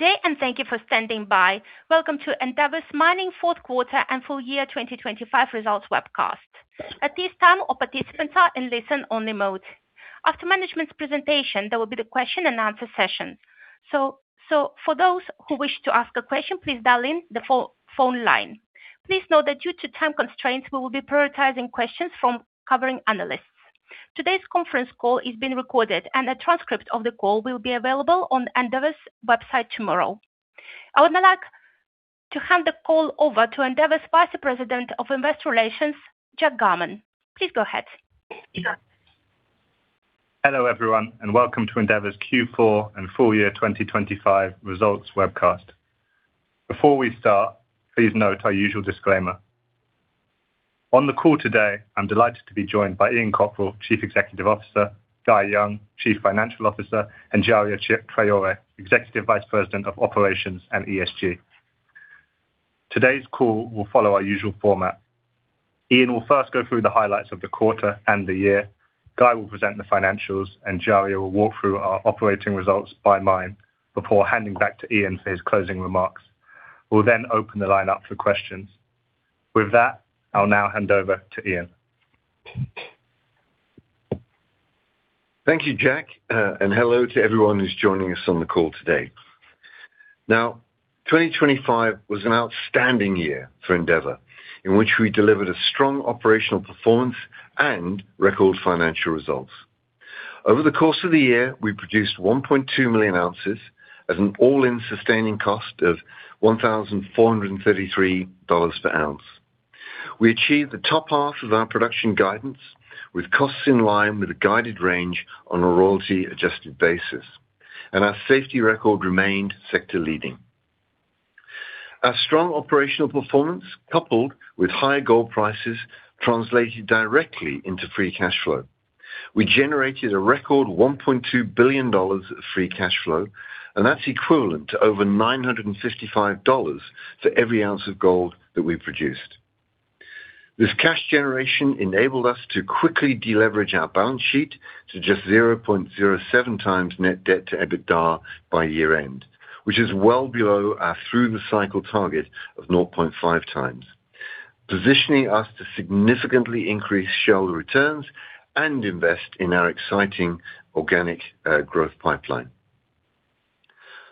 Good day, and thank you for standing by. Welcome to Endeavour Mining fourth quarter and full year 2025 results webcast. At this time, all participants are in listen-only mode. After management's presentation, there will be the question-and-answer session. For those who wish to ask a question, please dial in the phone line. Please note that due to time constraints, we will be prioritizing questions from covering analysts. Today's conference call is being recorded, and a transcript of the call will be available on Endeavour's website tomorrow. I would now like to hand the call over to Endeavour's Vice President of Investor Relations, Jack Garman. Please go ahead. Hello, everyone, and welcome to Endeavour's Q4 and Full Year 2025 Results Webcast. Before we start, please note our usual disclaimer. On the call today, I'm delighted to be joined by Ian Cockerill, Chief Executive Officer, Guy Young, Chief Financial Officer, and Djaria Traoré, Executive Vice President of Operations and ESG. Today's call will follow our usual format. Ian will first go through the highlights of the quarter and the year. Guy will present the financials, and Djaria will walk through our operating results by mine before handing back to Ian for his closing remarks. We'll open the line up for questions. With that, I'll now hand over to Ian. Thank you, Jack. Hello to everyone who's joining us on the call today. 2025 was an outstanding year for Endeavour, in which we delivered a strong operational performance and record financial results. Over the course of the year, we produced 1.2 million ounces at an all-in sustaining cost of $1,433 per ounce. We achieved the top half of our production guidance with costs in line with a guided range on a royalty-adjusted basis. Our safety record remained sector leading. Our strong operational performance, coupled with high gold prices, translated directly into free cash flow. We generated a record $1.2 billion of free cash flow. That's equivalent to over $955 for every ounce of gold that we produced. This cash generation enabled us to quickly deleverage our balance sheet to just 0.07 times Net Debt to EBITDA by year-end, which is well below our through the cycle target of 0.5 times, positioning us to significantly increase shareholder returns and invest in our exciting organic growth pipeline.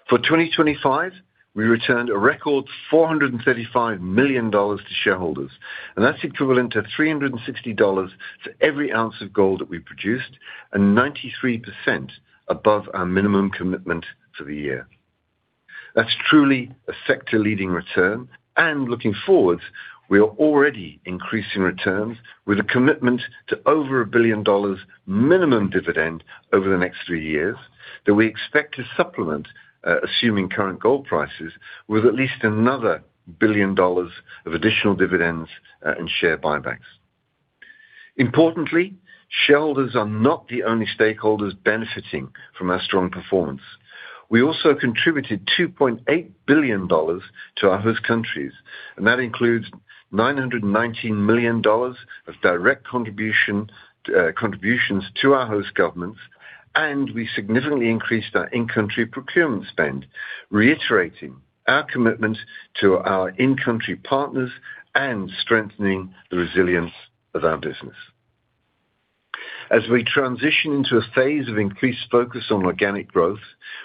For 2025, we returned a record $435 million to shareholders. That's equivalent to $360 for every ounce of gold that we produced and 93 above our minimum commitment for the year. That's truly a sector-leading return. Looking forward, we are already increasing returns with a commitment to over $1 billion minimum dividend over the next three years that we expect to supplement, assuming current gold prices, with at least another $1 billion of additional dividends and share buybacks. Importantly, shareholders are not the only stakeholders benefiting from our strong performance. We also contributed $2.8 billion to our host countries. That includes $919 million of direct contributions to our host governments. We significantly increased our in-country procurement spend, reiterating our commitment to our in-country partners and strengthening the resilience of our business. As we transition into a phase of increased focus on organic growth,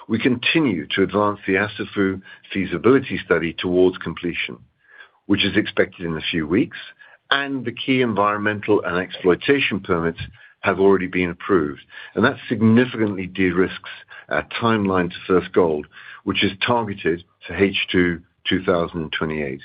we continue to advance the Assafou feasibility study towards completion, which is expected in a few weeks. The key environmental and exploitation permits have already been approved. That significantly de-risks our timeline to first gold, which is targeted to H2 2028.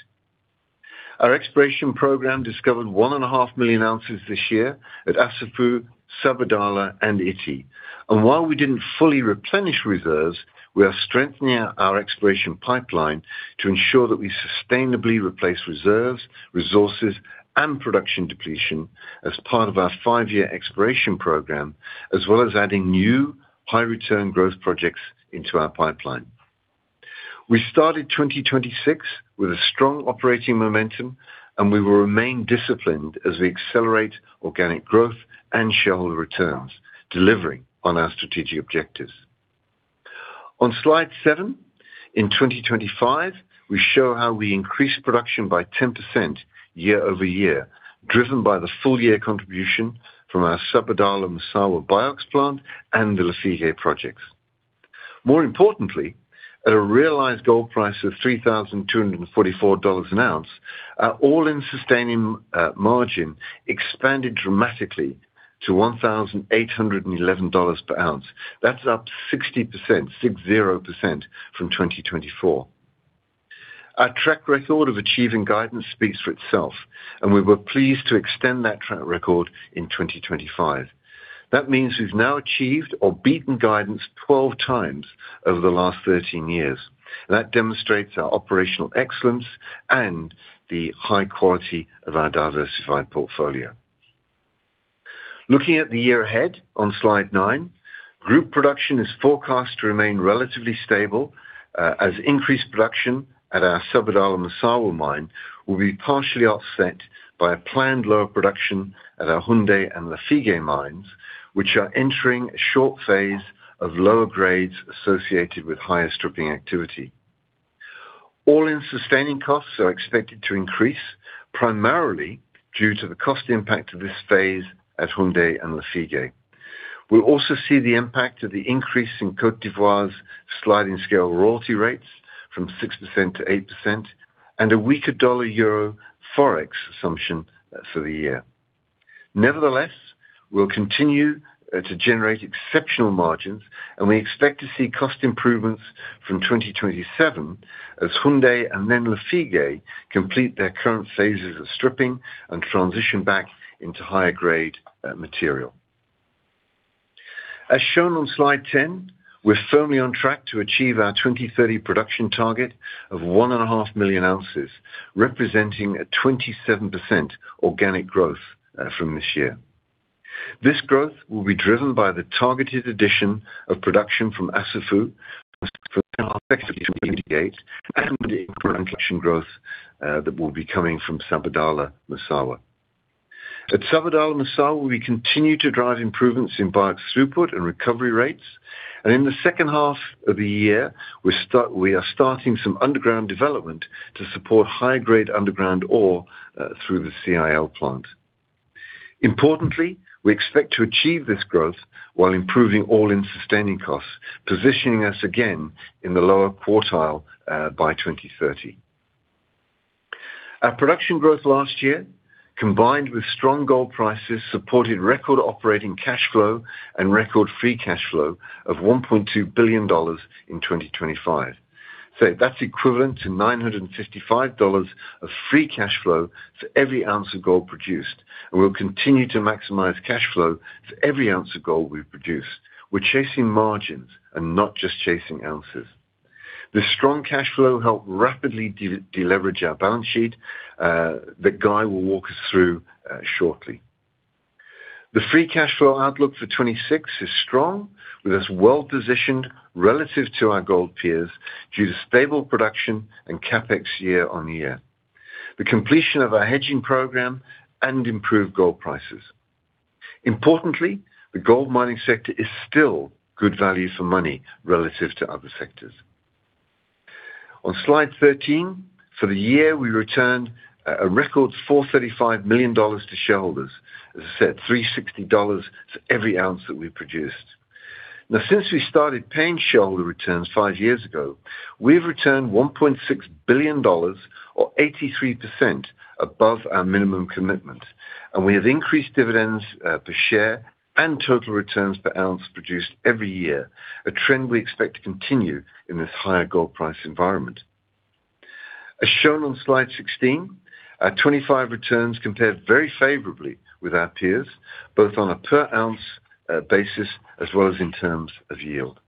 Our exploration program discovered 1.5 million ounces this year at Assafou, Sabodala, and Ity. While we didn't fully replenish reserves, we are strengthening our exploration pipeline to ensure that we sustainably replace reserves, resources, and production depletion as part of our five-year exploration program, as well as adding new high return growth projects into our pipeline. We started 2026 with a strong operating momentum, and we will remain disciplined as we accelerate organic growth and shareholder returns, delivering on our strategic objectives. On Slide 7, in 2025, we show how we increased production by 10% year-over-year, driven by the full year contribution from our Sabodala-Massawa BIOX plant and the Lafigué projects. More importantly, at a realized gold price of $3,244 an ounce, our All-in Sustaining margin expanded dramatically to $1,811 per ounce. That's up 60%, 60% from 2024. Our track record of achieving guidance speaks for itself, and we were pleased to extend that track record in 2025. That means we've now achieved or beaten guidance 12 times over the last 13 years. That demonstrates our operational excellence and the high quality of our diversified portfolio. Looking at the year ahead on Slide 9, group production is forecast to remain relatively stable, as increased production at our Sabodala-Massawa mine will be partially offset by a planned lower production at our Houndé and Lafigué mines. Which are entering a short phase of lower grades associated with higher stripping activity. All-in Sustaining Costs are expected to increase primarily due to the cost impact of this phase at Houndé and Lafigué. We'll also see the impact of the increase in Côte d'Ivoire's sliding scale royalty rates from 6% - 8% and a weaker dollar-euro Forex assumption for the year. Nevertheless, we'll continue to generate exceptional margins, and we expect to see cost improvements from 2027 as Houndé and then Lafigué complete their current phases of stripping and transition back into higher grade material. As shown on Slide 10, we're firmly on track to achieve our 2030 production target of 1.5 million ounces, representing a 27% organic growth from this year. This growth will be driven by the targeted addition of production from Assafou and the incrementation growth that will be coming from Sabodala-Massawa. At Sabodala-Massawa, we continue to drive improvements in bulk throughput and recovery rates. In the second half of the year, we are starting some underground development to support high grade underground ore through the CIL plant. Importantly, we expect to achieve this growth while improving All-in Sustaining Costs, positioning us again in the lower quartile by 2030. Our production growth last year, combined with strong gold prices, supported record operating cash flow and record free cash flow of $1.2 billion in 2025. That's equivalent to $955 of free cash flow for every ounce of gold produced, and we'll continue to maximize cash flow for every ounce of gold we produce. We're chasing margins and not just chasing ounces. This strong cash flow helped rapidly de-deleverage our balance sheet that Guy will walk us through shortly. The free cash flow outlook for 2026 is strong, with us well-positioned relative to our gold peers due to stable production and CapEx year-over-year. The completion of our hedging program and improved gold prices. Importantly, the gold mining sector is still good value for money relative to other sectors. On Slide 13, for the year, we returned a record $435 million to shareholders. As I said, $360 for every ounce that we produced. Now, since we started paying shareholder returns five years ago, we've returned $1.6 billion or 83% above our minimum commitment, and we have increased dividends per share and total returns per ounce produced every year, a trend we expect to continue in this higher gold price environment. As shown on Slide 16, our 2025 returns compared very favorably with our peers, both on a per ounce basis as well as in terms of yield.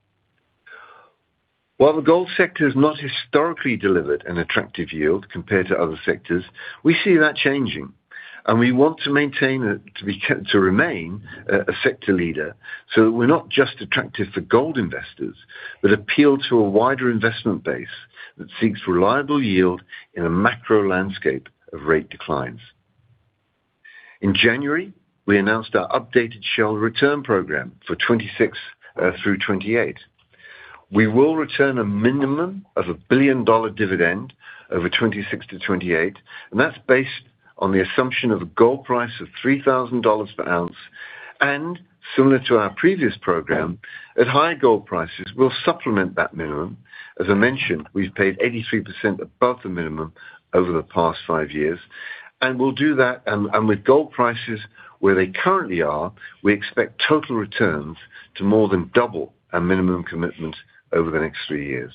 While the gold sector has not historically delivered an attractive yield compared to other sectors, we see that changing, and we want to maintain it to remain a sector leader, so that we're not just attractive for gold investors, but appeal to a wider investment base that seeks reliable yield in a macro landscape of rate declines. In January, we announced our updated shareholder return program for 2026 through 2028. We will return a minimum of a billion-dollar dividend over 2026 - 2028, and that's based on the assumption of a gold price of $3,000 per ounce, and similar to our previous program, at high gold prices, we'll supplement that minimum. As I mentioned, we've paid 83% above the minimum over the past five years, and we'll do that. With gold prices where they currently are, we expect total returns to more than double our minimum commitment over the next three years.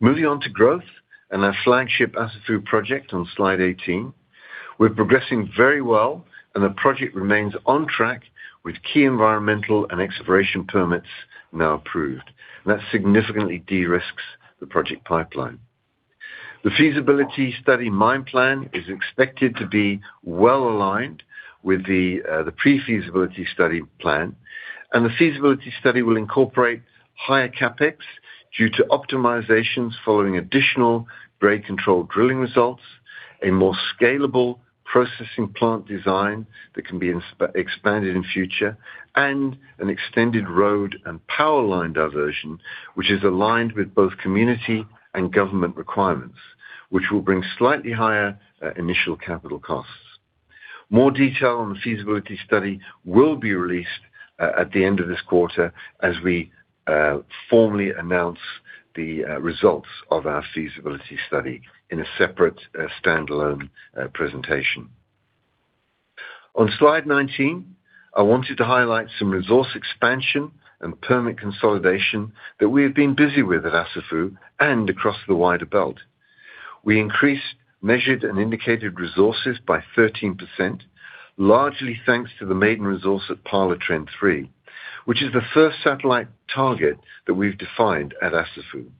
Moving on to growth and our flagship Assafou project on Slide 18. We're progressing very well and the project remains on track with key environmental and exploration permits now approved. That significantly de-risks the project pipeline. The feasibility study mine plan is expected to be well-aligned with the pre-feasibility study plan. The feasibility study will incorporate higher CapEx due to optimizations following additional grade control drilling results, a more scalable processing plant design that can be expanded in future, and an extended road and power line diversion, which is aligned with both community and government requirements, which will bring slightly higher initial capital costs. More detail on the feasibility study will be released at the end of this quarter as we formally announce the results of our feasibility study in a separate standalone presentation. On Slide 19, I wanted to highlight some resource expansion and permit consolidation that we have been busy with at Assafou and across the wider belt. We increased Measured and Indicated resources by 13%, largely thanks to the maiden resource at Pala Trend 3, which is the first satellite target that we've defined at Assafou.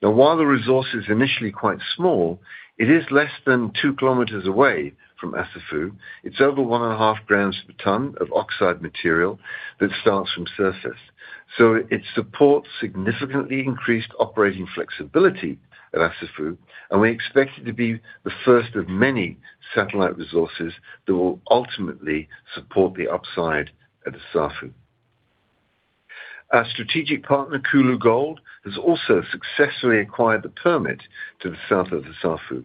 While the resource is initially quite small, it is less than 2 kilometers away from Assafou. It's over 1.5 grams per ton of oxide material that starts from surface. It supports significantly increased operating flexibility at Assafou, and we expect it to be the first of many satellite resources that will ultimately support the upside at Assafou. Our strategic partner, Koulou Gold, has also successfully acquired the permit to the south of Assafou,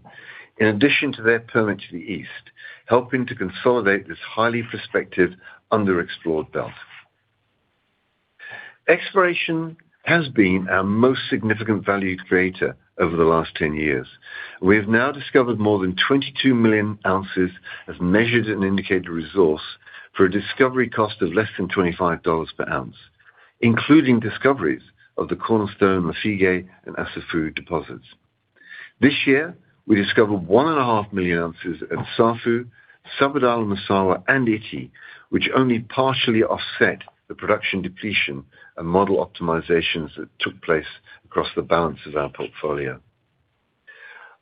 in addition to their permit to the east, helping to consolidate this highly prospective underexplored belt. Exploration has been our most significant value creator over the last 10 years. We have now discovered more than 22 million ounces of measured and indicated resource for a discovery cost of less than $25 per ounce, including discoveries of the cornerstone Massawa and Assafou deposits. This year, we discovered 1.5 million ounces at Assafou, Sabodala, Massawa, and Ity, which only partially offset the production depletion and model optimizations that took place across the balance of our portfolio.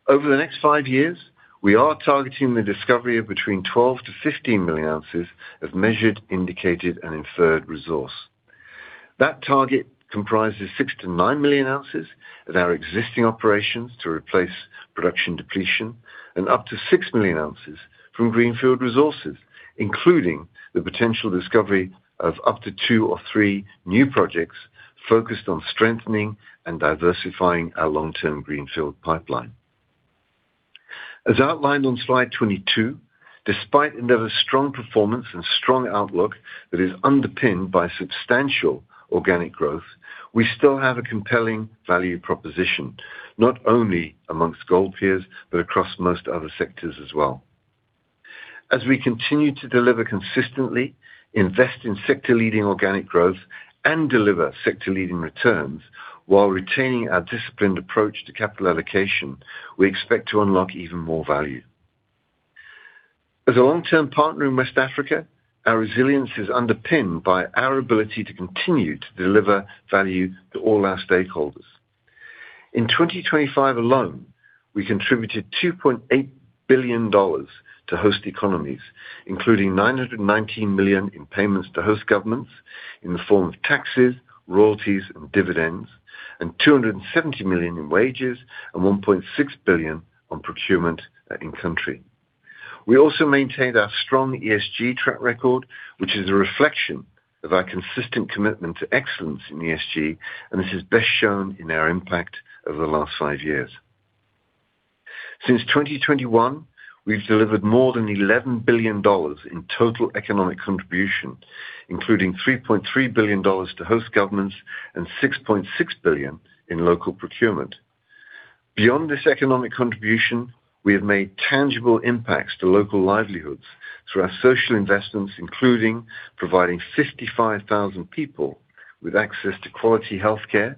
Over the next five years, we are targeting the discovery of between 12-15 million ounces of measured, indicated, and inferred resource. That target comprises 6-9 million ounces of our existing operations to replace production depletion and up to 6 million ounces from greenfield resources, including the potential discovery of up to two or three new projects focused on strengthening and diversifying our long-term greenfield pipeline. As outlined on Slide 22, despite Endeavour Mining's strong performance and strong outlook that is underpinned by substantial organic growth, we still have a compelling value proposition, not only amongst gold peers, but across most other sectors as well. As we continue to deliver consistently, invest in sector-leading organic growth, and deliver sector-leading returns while retaining our disciplined approach to capital allocation, we expect to unlock even more value. As a long-term partner in West Africa, our resilience is underpinned by our ability to continue to deliver value to all our stakeholders. In 2025 alone, we contributed $2.8 billion to host economies, including $919 million in payments to host governments in the form of taxes, royalties, and dividends, and $270 million in wages, and $1.6 billion on procurement in country. We also maintained our strong ESG track record, which is a reflection of our consistent commitment to excellence in ESG. This is best shown in our impact over the last five years. Since 2021, we've delivered more than $11 billion in total economic contribution, including $3.3 billion to host governments and $6.6 billion in local procurement. Beyond this economic contribution, we have made tangible impacts to local livelihoods through our social investments, including providing 55,000 people with access to quality healthcare,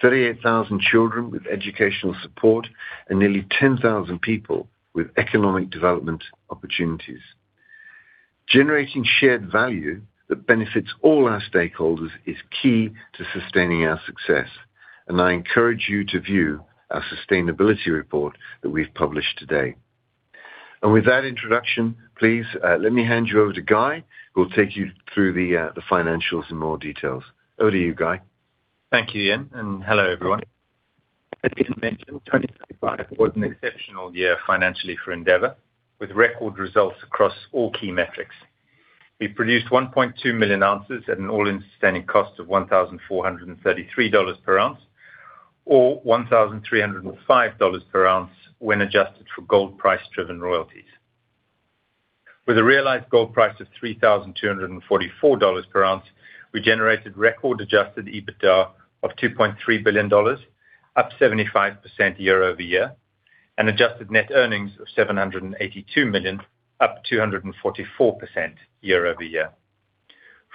38,000 children with educational support, and nearly 10,000 people with economic development opportunities. Generating shared value that benefits all our stakeholders is key to sustaining our success. I encourage you to view our sustainability report that we've published today. With that introduction, please, let me hand you over to Guy, who will take you through the financials in more details. Over to you, Guy. Thank you, Ian. Hello, everyone. As Ian mentioned, 2025 was an exceptional year financially for Endeavour, with record results across all key metrics. We produced 1.2 million ounces at an All-in Sustaining Cost of $1,433 per ounce or $1,305 per ounce when adjusted for gold price-driven royalties. With a realized gold price of $3,244 per ounce, we generated record Adjusted EBITDA of $2.3 billion, up 75% year-over-year, and adjusted net earnings of $782 million, up 244% year-over-year.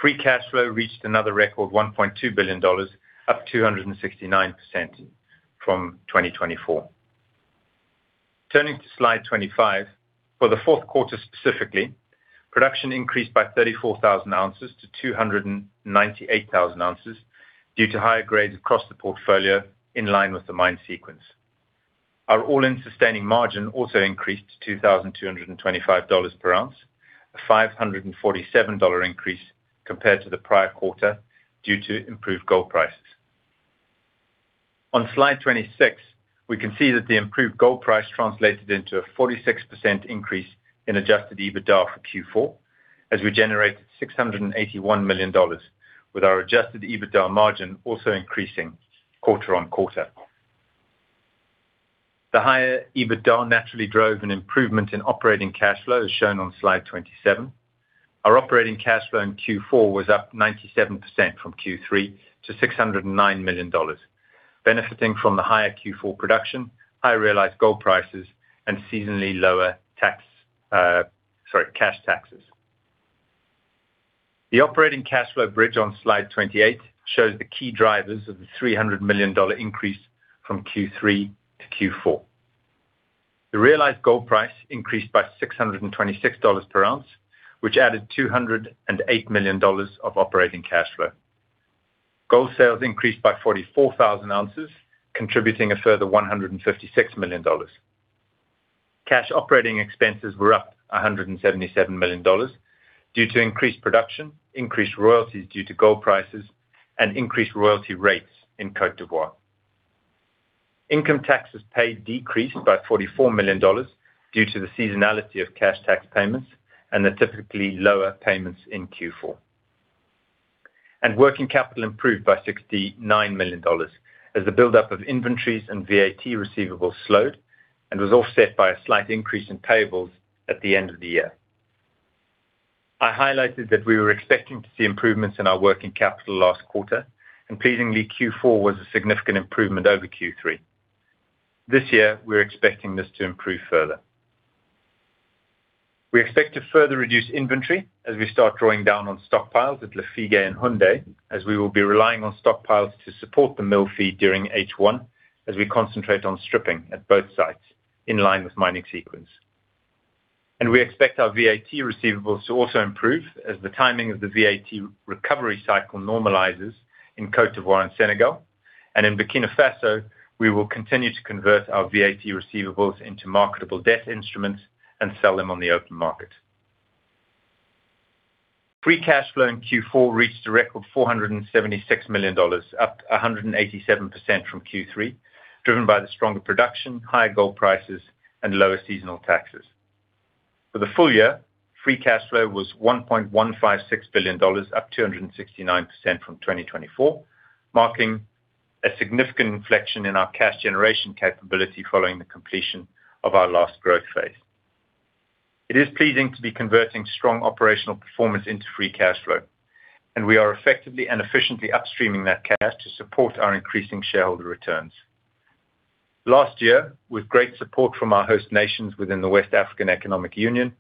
Free cash flow reached another record $1.2 billion, up 269% from 2024. Turning to slide 25. For the fourth quarter specifically, production increased by 34,000 ounces to 298,000 ounces due to higher grades across the portfolio in line with the mine sequence. Our All-in Sustaining margin also increased to $2,225 per ounce, a $547 increase compared to the prior quarter due to improved gold prices. On slide 26, we can see that the improved gold price translated into a 46% increase in Adjusted EBITDA for Q4 as we generated $681 million, with our Adjusted EBITDA margin also increasing quarter-on-quarter. The higher EBITDA naturally drove an improvement in operating cash flow, as shown on slide 27. Our operating cash flow in Q4 was up 97% from Q3 to $609 million, benefiting from the higher Q4 production, higher realized gold prices, and seasonally lower tax, sorry, cash taxes. The operating cash flow bridge on slide 28 shows the key drivers of the $300 million dollar increase from Q3 - Q4. The realized gold price increased by $626 per ounce, which added $208 million of operating cash flow. Gold sales increased by 44,000 ounces, contributing a further $156 million. Cash operating expenses were up $177 million due to increased production, increased royalties due to gold prices, and increased royalty rates in Côte d'Ivoire. Income taxes paid decreased by $44 million due to the seasonality of cash tax payments and the typically lower payments in Q4. Working capital improved by $69 million as the buildup of inventories and VAT receivables slowed and was offset by a slight increase in payables at the end of the year. I highlighted that we were expecting to see improvements in our working capital last quarter, and pleasingly, Q4 was a significant improvement over Q3. This year, we're expecting this to improve further. We expect to further reduce inventory as we start drawing down on stockpiles at Lafigué and Houndé, as we will be relying on stockpiles to support the mill feed during H1 as we concentrate on stripping at both sites in line with mining sequence. We expect our VAT receivables to also improve as the timing of the VAT recovery cycle normalizes in Côte d'Ivoire and Senegal. In Burkina Faso, we will continue to convert our VAT receivables into marketable debt instruments and sell them on the open market. Free cash flow in Q4 reached a record $476 million, up 187% from Q3, driven by the stronger production, higher gold prices, and lower seasonal taxes. For the full year, free cash flow was $1.156 billion, up 269% from 2024, marking a significant inflection in our cash generation capability following the completion of our last growth phase. It is pleasing to be converting strong operational performance into free cash flow, we are effectively and efficiently upstreaming that cash to support our increasing shareholder returns. Last year, with great support from our host nations within the West African Economic Union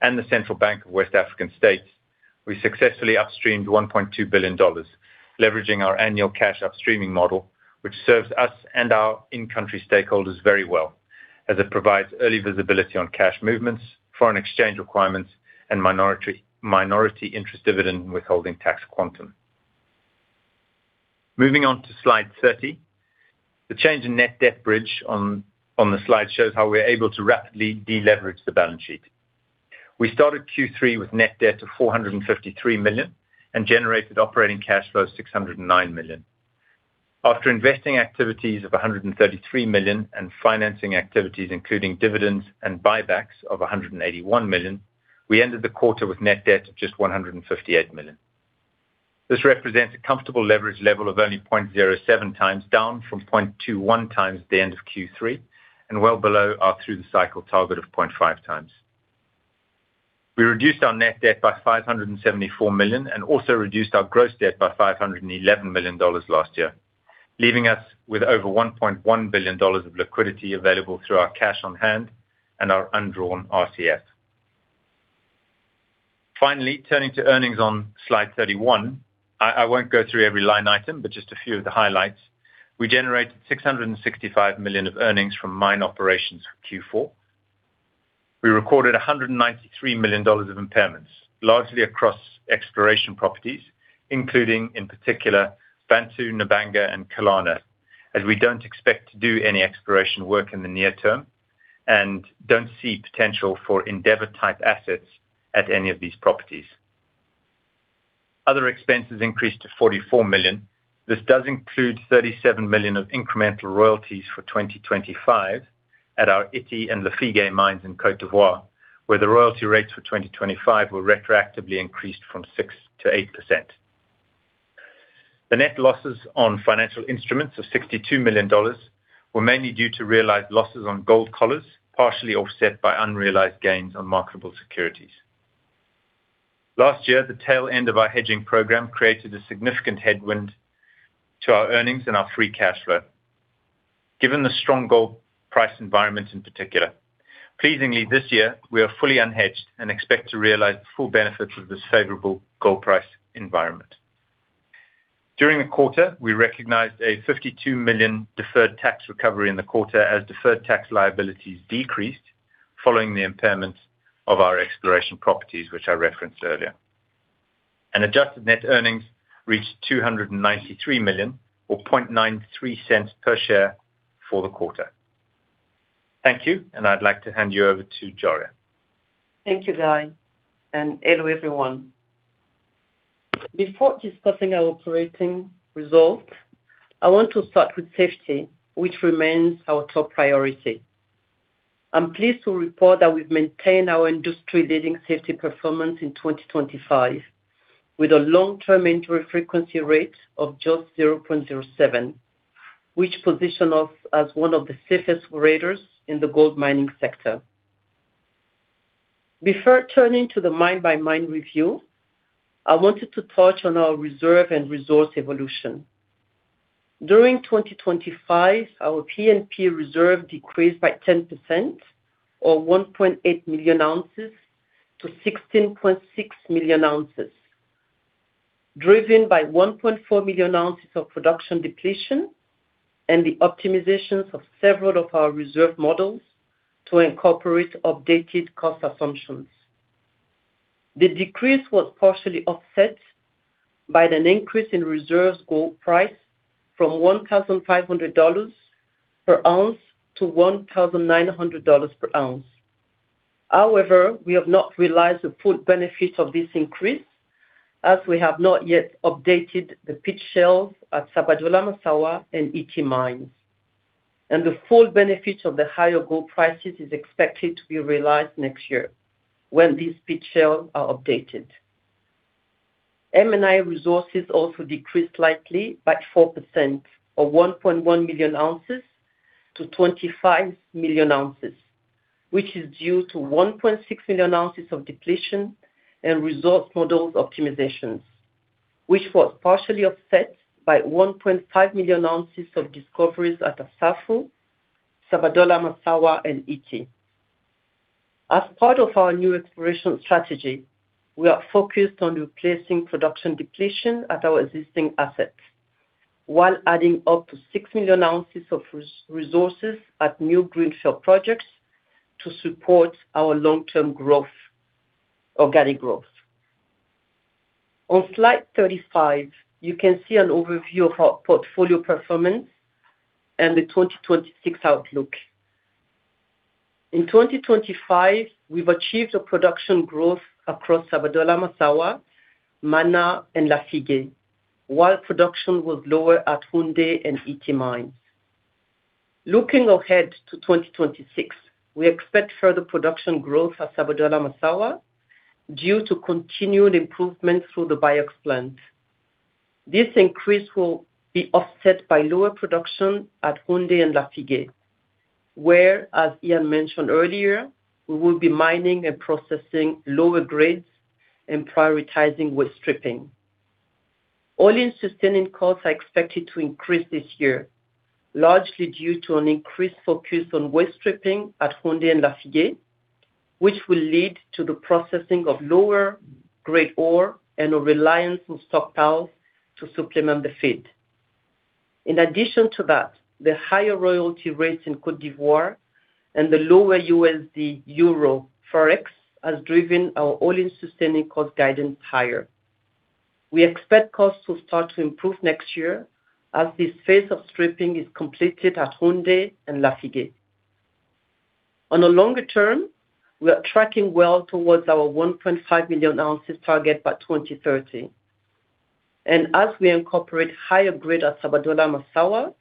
and the Central Bank of West African States, we successfully upstreamed $1.2 billion, leveraging our annual cash upstreaming model, which serves us and our in-country stakeholders very well as it provides early visibility on cash movements, foreign exchange requirements, and minority interest dividend withholding tax quantum. Moving on to slide 30. The change in net debt bridge on the slide shows how we're able to rapidly deleverage the balance sheet. We started Q3 with net debt of $453 million and generated operating cash flow of $609 million. After investing activities of $133 million and financing activities, including dividends and buybacks of $181 million, we ended the quarter with net debt of just $158 million. This represents a comfortable leverage level of only 0.07 times, down from 0.21 times at the end of Q3, and well below our through-the-cycle target of 0.5 times. We reduced our net debt by $574 million and also reduced our gross debt by $511 million last year, leaving us with over $1.1 billion of liquidity available through our cash on hand and our undrawn RCF. Finally, turning to earnings on slide 31. I won't go through every line item, but just a few of the highlights. We generated $665 million of earnings from mine operations for Q4. We recorded $193 million of impairments, largely across exploration properties, including, in particular, Bantou, Nabanga, and Kalana, as we don't expect to do any exploration work in the near term and don't see potential for Endeavour-type assets at any of these properties. Other expenses increased to $44 million. This does include $37 million of incremental royalties for 2025 at our Ity and Lafigué mines in Côte d'Ivoire, where the royalty rates for 2025 were retroactively increased from 6%-8%. The net losses on financial instruments of $62 million were mainly due to realized losses on gold collars, partially offset by unrealized gains on marketable securities. Last year, the tail end of our hedging program created a significant headwind to our earnings and our free cash flow, given the strong gold price environment in particular. Pleasingly, this year, we are fully unhedged and expect to realize the full benefits of this favorable gold price environment. During the quarter, we recognized a $52 million deferred tax recovery in the quarter as deferred tax liabilities decreased following the impairment of our exploration properties, which I referenced earlier. Adjusted net earnings reached $293 million or $0.93 per share for the quarter. Thank you, and I'd like to hand you over to Djaria. Thank you, Guy, and hello, everyone. Before discussing our operating results, I want to start with safety, which remains our top priority. I'm pleased to report that we've maintained our industry-leading safety performance in 2025 with a Lost Time Injury Frequency Rate of just 0.07, which position us as one of the safest operators in the gold mining sector. Before turning to the mine-by-mine review, I wanted to touch on our P&P reserve and resource evolution. During 2025, our P&P reserve decreased by 10% or 1.8 million ounces to 16.6 million ounces, driven by 1.4 million ounces of production depletion and the optimizations of several of our reserve models to incorporate updated cost assumptions. The decrease was partially offset by an increase in reserves gold price from $1,500 per ounce to $1,900 per ounce. However, we have not realized the full benefits of this increase as we have not yet updated the pit shells at Sabodala, Massawa, and Ity mines. The full benefits of the higher gold prices is expected to be realized next year when these pit shells are updated. M&I resources also decreased slightly by 4% of 1.1 million ounces to 25 million ounces, which is due to 1.6 million ounces of depletion and resource models optimizations, which was partially offset by 1.5 million ounces of discoveries at Assafou, Sabodala, Massawa, and Ity. As part of our new exploration strategy, we are focused on replacing production depletion at our existing assets, while adding up to 6 million ounces of resources at new greenfield projects to support our long-term growth, organic growth. On slide 35, you can see an overview of our portfolio performance and the 2026 outlook. In 2025, we've achieved a production growth across Sabodala, Massawa, Mana, and Lafigué, while production was lower at Houndé and Ity mines. Looking ahead to 2026, we expect further production growth at Sabodala, Massawa due to continued improvements through the BIOX plant. This increase will be offset by lower production at Houndé and Lafigué, where, as Ian mentioned earlier, we will be mining and processing lower grades and prioritizing waste stripping. All-in Sustaining Costs are expected to increase this year, largely due to an increased focus on waste stripping at Houndé and Lafigué, which will lead to the processing of lower grade ore and a reliance on stockpiles to supplement the feed. In addition to that, the higher royalty rates in Côte d'Ivoire and the lower USD Euro Forex has driven our All-in Sustaining Cost guidance higher. We expect costs to start to improve next year as this phase of stripping is completed at Houndé and Lafigué. On a longer term, we are tracking well towards our 1.5 million ounces target by 2030. As we incorporate higher grade at Sabodala-Massawa,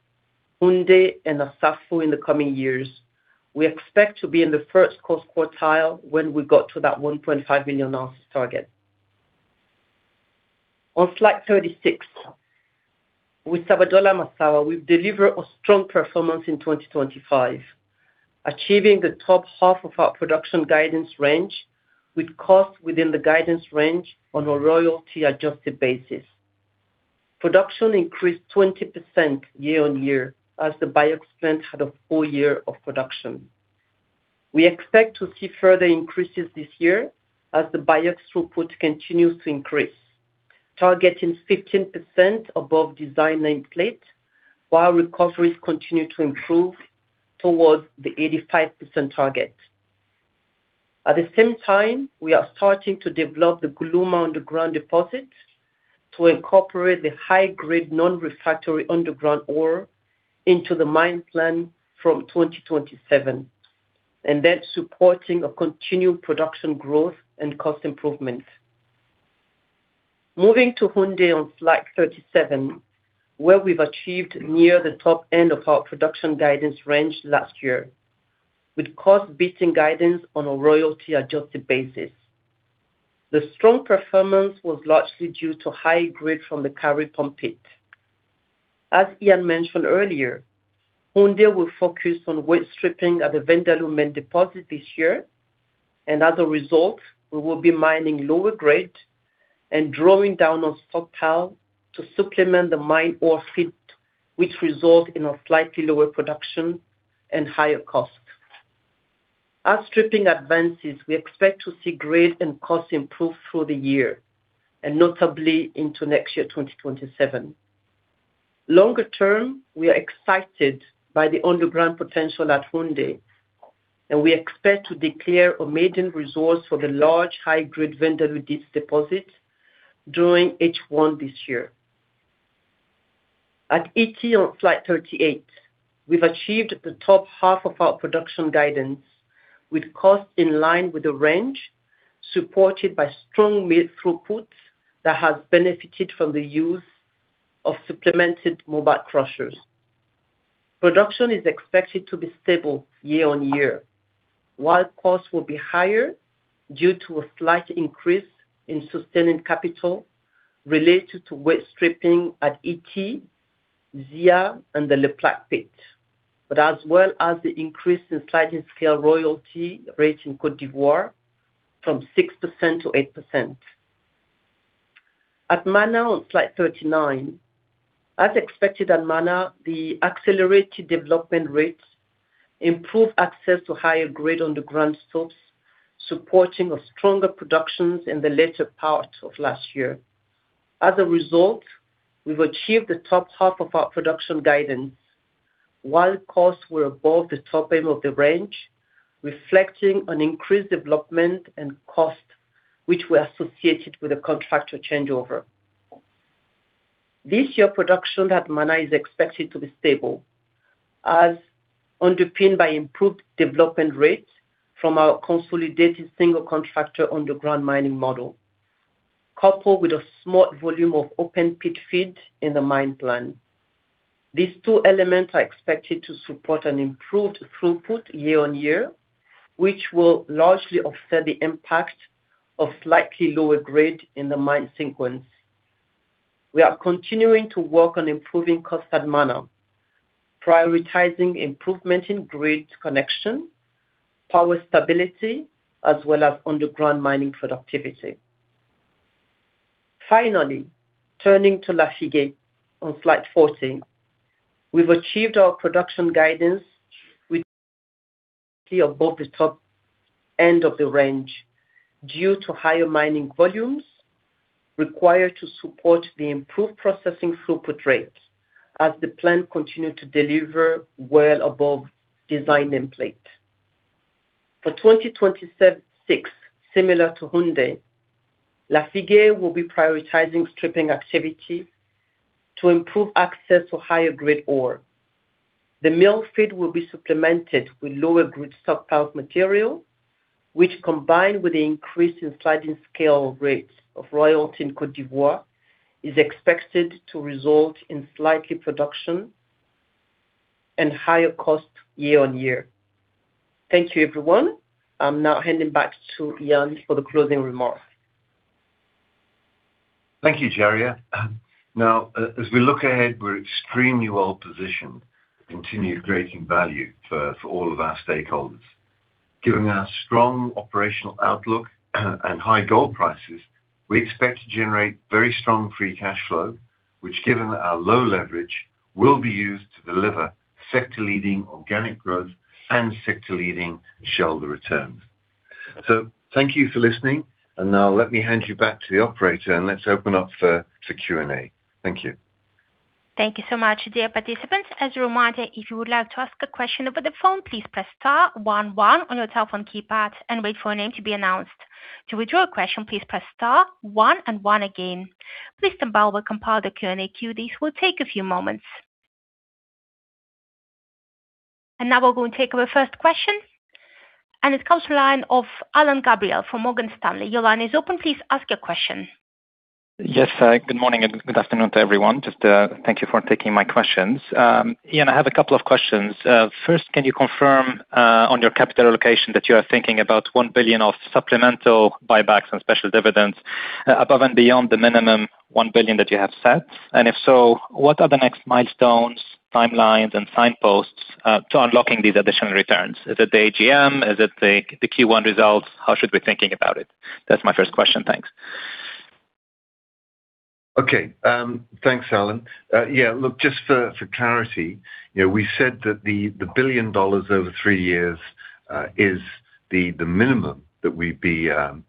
Houndé, and Assafou in the coming years, we expect to be in the first cost quartile when we got to that 1.5 million ounces target. On slide 36, with Sabodala-Massawa, we've delivered a strong performance in 2025, achieving the top half of our production guidance range with costs within the guidance range on a royalty-adjusted basis. Production increased 20% year-on-year as the BIOX plant had a full year of production. We expect to see further increases this year as the BIOX throughput continues to increase, targeting 15% above design nameplate, while recoveries continue to improve towards the 85% target. At the same time, we are starting to develop the Golouma underground deposit to incorporate the high-grade non-refractory underground ore into the mine plan from 2027, supporting a continued production growth and cost improvement. Moving to Houndé on slide 37, where we've achieved near the top end of our production guidance range last year, with cost beating guidance on a royalty-adjusted basis. The strong performance was largely due to high grade from the Kari Pump. As Ian mentioned earlier, Houndé will focus on waste stripping at the Vindoulou main deposit this year, and as a result, we will be mining lower grade and drawing down on stockpile to supplement the mine ore feed, which result in a slightly lower production and higher cost. As stripping advances, we expect to see grade and cost improve through the year and notably into next year, 2027. Longer term, we are excited by the underground potential at Houndé, and we expect to declare a maiden resource for the large high-grade Vindoulou Deeps deposit during H1 this year. At Ity on slide 38, we've achieved the top half of our production guidance with cost in line with the range supported by strong mill throughput that has benefited from the use of supplemented mobile crushers. Production is expected to be stable year-on-year, while costs will be higher due to a slight increase in sustaining capital related to waste stripping at Ity, Zia and the La Plaque pit, but as well as the increase in sliding scale royalty rate in Côte d'Ivoire from 6% to 8%. At Mana on slide 39, as expected at Mana, the accelerated development rates improve access to higher grade underground source, supporting a stronger productions in the later part of last year. As a result, we've achieved the top half of our production guidance, while costs were above the top end of the range, reflecting an increased development and cost which were associated with a contractor changeover. This year production at Mana is expected to be stable as underpinned by improved development rates from our consolidated single contractor underground mining model, coupled with a small volume of open pit feeds in the mine plan. These two elements are expected to be support an improved throughput year-over-year, which will largely offset the impact of slightly lower grade in the mine sequence. We are continuing to work on improving cost at Mana, prioritizing improvement in grid connection, power stability, as well as underground mining productivity. Finally, turning to Lafigué on slide 14. We've achieved our production guidance with above the top end of the range due to higher mining volumes required to support the improved processing throughput rates as the plant continued to deliver well above design template. For 2026, similar to Houndé, Lafigue will be prioritizing stripping activity to improve access to higher-grade ore. The mill feed will be supplemented with lower-grade stockpiled material, which, combined with the increase in sliding scale rates of royalty in Côte d'Ivoire, is expected to result in slightly production and higher cost year on year. Thank you, everyone. I'm now handing back to Ian for the closing remarks. Thank you, Djaria. As we look ahead, we're extremely well-positioned to continue creating value for all of our stakeholders. Given our strong operational outlook and high gold prices, we expect to generate very strong free cash flow, which, given our low leverage, will be used to deliver sector-leading organic growth and sector-leading shareholder returns. Thank you for listening. Now let me hand you back to the operator, and let's open up for Q&A. Thank you. Thank you so much, dear participants. As a reminder, if you would like to ask a question over the phone, please press star one one on your telephone keypad and wait for your name to be announced. To withdraw a question, please press star one and one again. Please stand by while we compile the Q&A queue. This will take a few moments. Now we're going to take our first question. It comes to the line of Alain Gabriel from Morgan Stanley. Your line is open. Please ask your question. Yes. Good morning and good afternoon to everyone. Just, thank you for taking my questions. Ian, I have a couple of questions. First, can you confirm on your capital allocation that you are thinking about $1 billion of supplemental buybacks and special dividends above and beyond the minimum $1 billion that you have set? If so, what are the next milestones, timelines, and signposts to unlocking these additional returns? Is it the AGM? Is it the Q1 results? How should we be thinking about it? That's my first question. Thanks. Okay. Thanks, Alan. Yeah, look, just for clarity, we said that the $1 billion over three years is the minimum that we'd be sort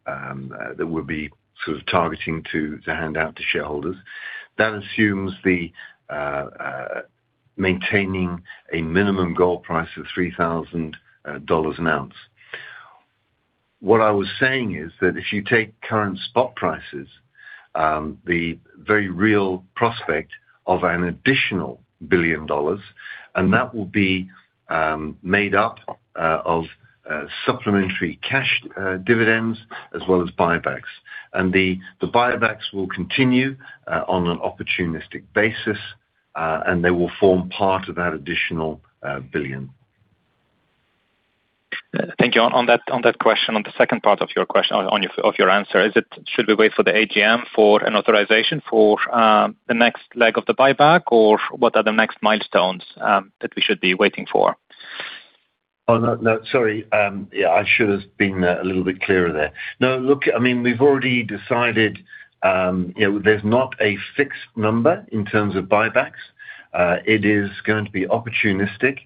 of targeting to hand out to shareholders. That assumes maintaining a minimum gold price of $3,000 an ounce. What I was saying is that if you take current spot prices, the very real prospect of an additional $1 billion, that will be made up of supplementary cash dividends as well as buybacks. The buybacks will continue on an opportunistic basis, and they will form part of that additional $1 billion. Thank you. On that question, on the second part of your question, on your answer, is it should we wait for the AGM for an authorization for the next leg of the buyback or what are the next milestones that we should be waiting for? No, no. Sorry. Yeah, I should have been a little bit clearer there. Look, I mean, we've already decided, you know, there's not a fixed number in terms of buybacks. It is going to be opportunistic.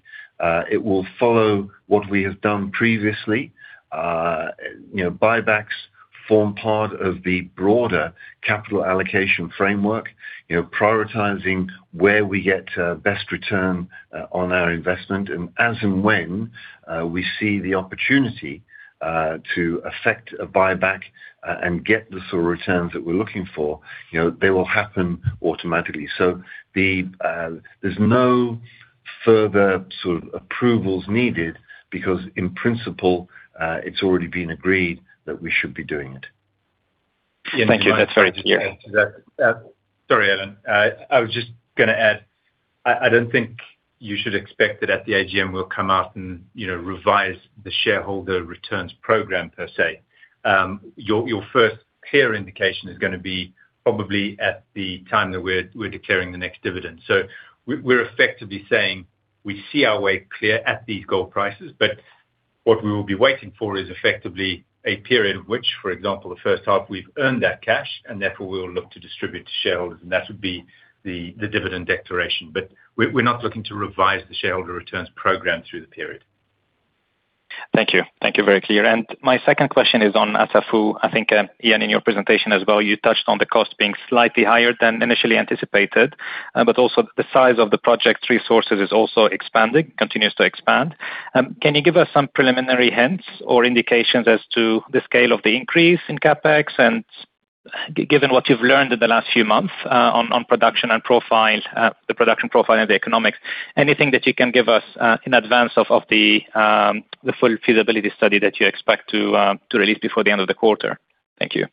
It will follow what we have done previously. You know, buybacks form part of the broader capital allocation framework, you know, prioritizing where we get best return on our investment. As in when we see the opportunity to affect a buyback and get the sort of returns that we're looking for, you know, they will happen automatically. The, there's no further sort of approvals needed because in principle, it's already been agreed that we should be doing it. Thank you. That's very clear. Sorry, Alain. I was just gonna add, I don't think you should expect that at the AGM we'll come out and, you know, revise the shareholder returns program per se. Your, your first clear indication is gonna be probably at the time that we're declaring the next dividend. We're effectively saying we see our way clear at these gold prices. What we will be waiting for is effectively a period in which, for example, the first half we've earned that cash and therefore we will look to distribute to shareholders and that would be the dividend declaration. We're not looking to revise the shareholder returns program through the period. Thank you. Thank you. Very clear. My second question is on Assafou. I think Ian, in your presentation as well, you touched on the cost being slightly higher than initially anticipated. But also the size of the project resources is also expanding, continues to expand. Can you give us some preliminary hints or indications as to the scale of the increase in CapEx? Given what you've learned in the last few months, on production and profile, the production profile and the economics, anything that you can give us in advance of the full feasibility study that you expect to release before the end of the quarter? Thank you.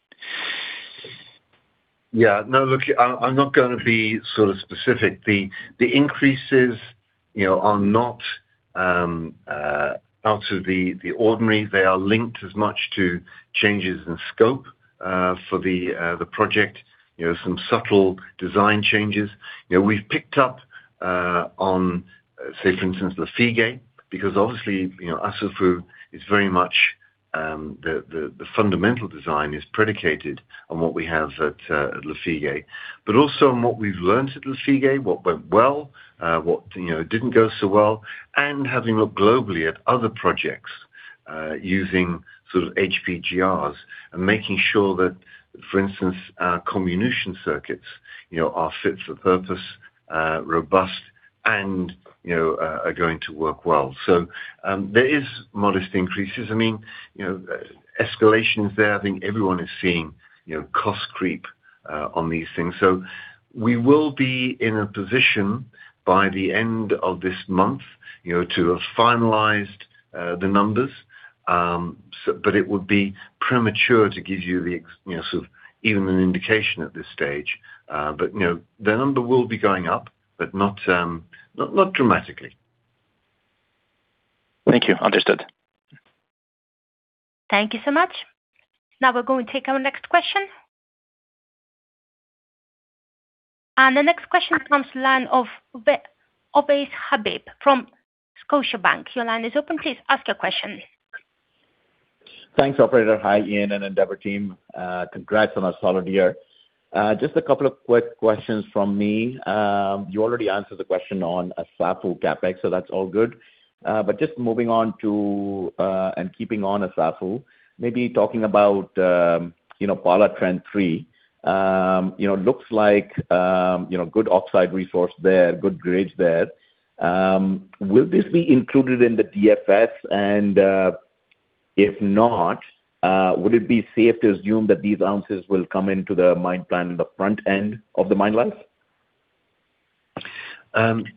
Yeah. No, look, I'm not gonna be sort of specific. The increases, you know, are not out of the ordinary. They are linked as much to changes in scope for the project, you know, some subtle design changes. You know, we've picked up on, say for instance, Lafigué, because obviously, you know, Assafou is very much the fundamental design is predicated on what we have at Lafigué. Also on what we've learned at Lafigué, what went well, what, you know, didn't go so well, and having looked globally at other projects, using sort of HPGRs and making sure that, for instance, our comminution circuits, you know, are fit for purpose, robust and, you know, are going to work well. There is modest increases. I mean, you know, escalation is there. I think everyone is seeing, you know, cost creep on these things. We will be in a position by the end of this month, you know, to have finalized the numbers. It would be premature to give you the, you know, sort of even an indication at this stage. You know, the number will be going up, but not dramatically. Thank you. Understood. Thank you so much. Now we're going to take our next question. The next question comes the line of Ovais Habib from Scotiabank. Your line is open. Please ask your question. Thanks, operator. Hi, Ian and Endeavour team. Congrats on a solid year. Just a couple of quick questions from me. You already answered the question on Assafou CapEx, so that's all good. Just moving on to, keeping on Assafou, maybe talking about, you know, Pala Trend 3. You know, looks like, you know, good oxide resource there, good grades there. Will this be included in the DFS? If not, would it be safe to assume that these ounces will come into the mine plan in the front end of the mine life?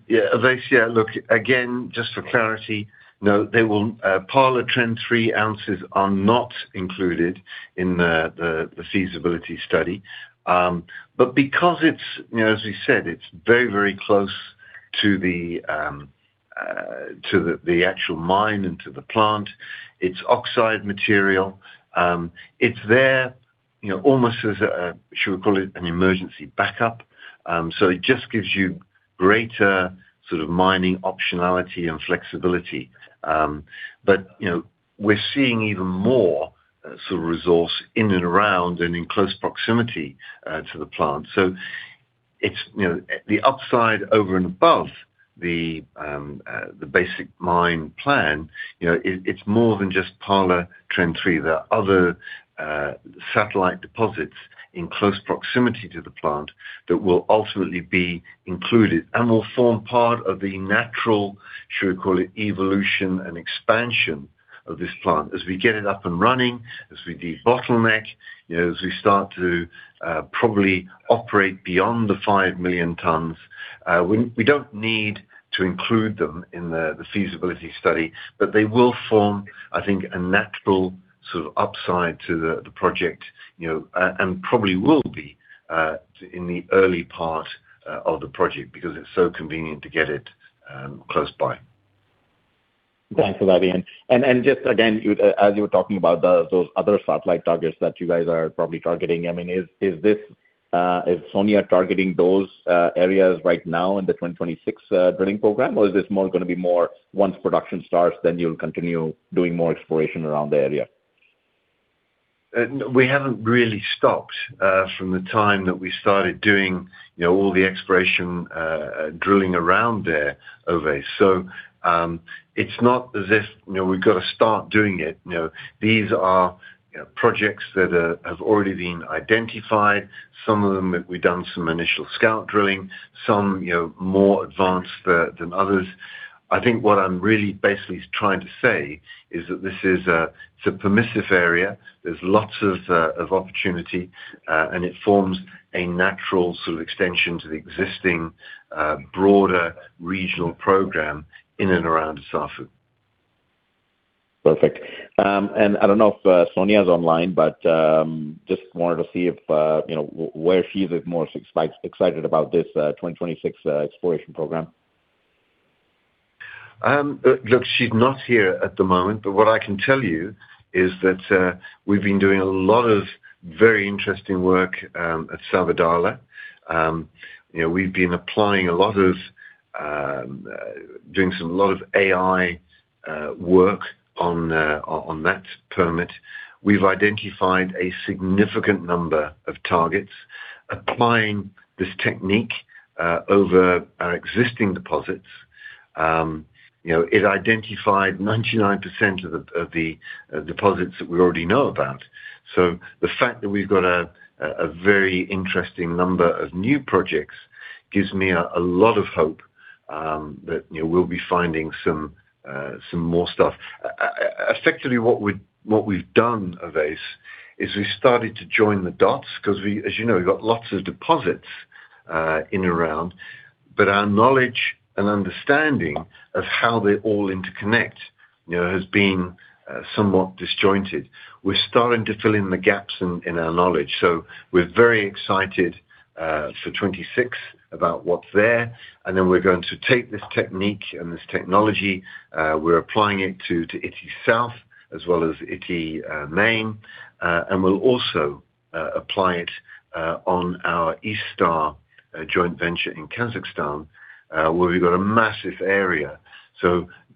Yeah. Ovais, yeah, look, again, just for clarity, no, they will, Pala Trend 3 ounces are not included in the feasibility study. Because it's, you know, as you said, it's very, very close to the actual mine and to the plant, it's oxide material. It just gives you greater sort of mining optionality and flexibility. You know, we're seeing even more sort of resource in and around and in close proximity to the plant. It's, you know, the upside over and above the basic mine plan, you know, it's more than just Pala Trend 3. There are other satellite deposits in close proximity to the plant that will ultimately be included and will form part of the natural, should we call it, evolution and expansion of this plant. As we get it up and running, as we debottleneck, you know, as we start to probably operate beyond the 5 million tons, we don't need to include them in the feasibility study, but they will form, I think, a natural sort of upside to the project, you know, and probably will be in the early part of the project because it's so convenient to get it close by. Thanks for that, Ian. Just again, you, as you were talking about those other satellite targets that you guys are probably targeting, I mean, is this Sonia targeting those areas right now in the 2026 drilling program, or is this gonna be more once production starts, then you'll continue doing more exploration around the area? We haven't really stopped from the time that we started doing, you know, all the exploration drilling around there, Ovais. It's not as if, you know, we've got to start doing it. You know, these are, you know, projects that have already been identified. Some of them we've done some initial scout drilling, some, you know, more advanced than others. I think what I'm really basically trying to say is that this is a, it's a permissive area. There's lots of opportunity, and it forms a natural sort of extension to the existing broader regional program in and around Assafou. Perfect. I don't know if Sonia is online, but just wanted to see if you know, where she's more excited about this 2026 exploration program. look, she's not here at the moment, but what I can tell you is that, we've been doing a lot of very interesting work, at Sabodala. You know, we've been applying a lot of, doing some lot of AI, work on, on that permit. We've identified a significant number of targets. Applying this technique, over our existing deposits. You know, it identified 99% of the, of the, deposits that we already know about. The fact that we've got a very interesting number of new projects gives me a lot of hope, that, you know, we'll be finding some more stuff. Effectively, what we've done, Ovais, is we started to join the dots 'cause we, as you know, we've got lots of deposits in around, but our knowledge and understanding of how they all interconnect, you know, has been somewhat disjointed. We're starting to fill in the gaps in our knowledge. We're very excited for 2026 about what's there, and then we're going to take this technique and this technology, we're applying it to Ity South as well as Ity Main. We'll also apply it on our East Star joint venture in Kazakhstan, where we've got a massive area.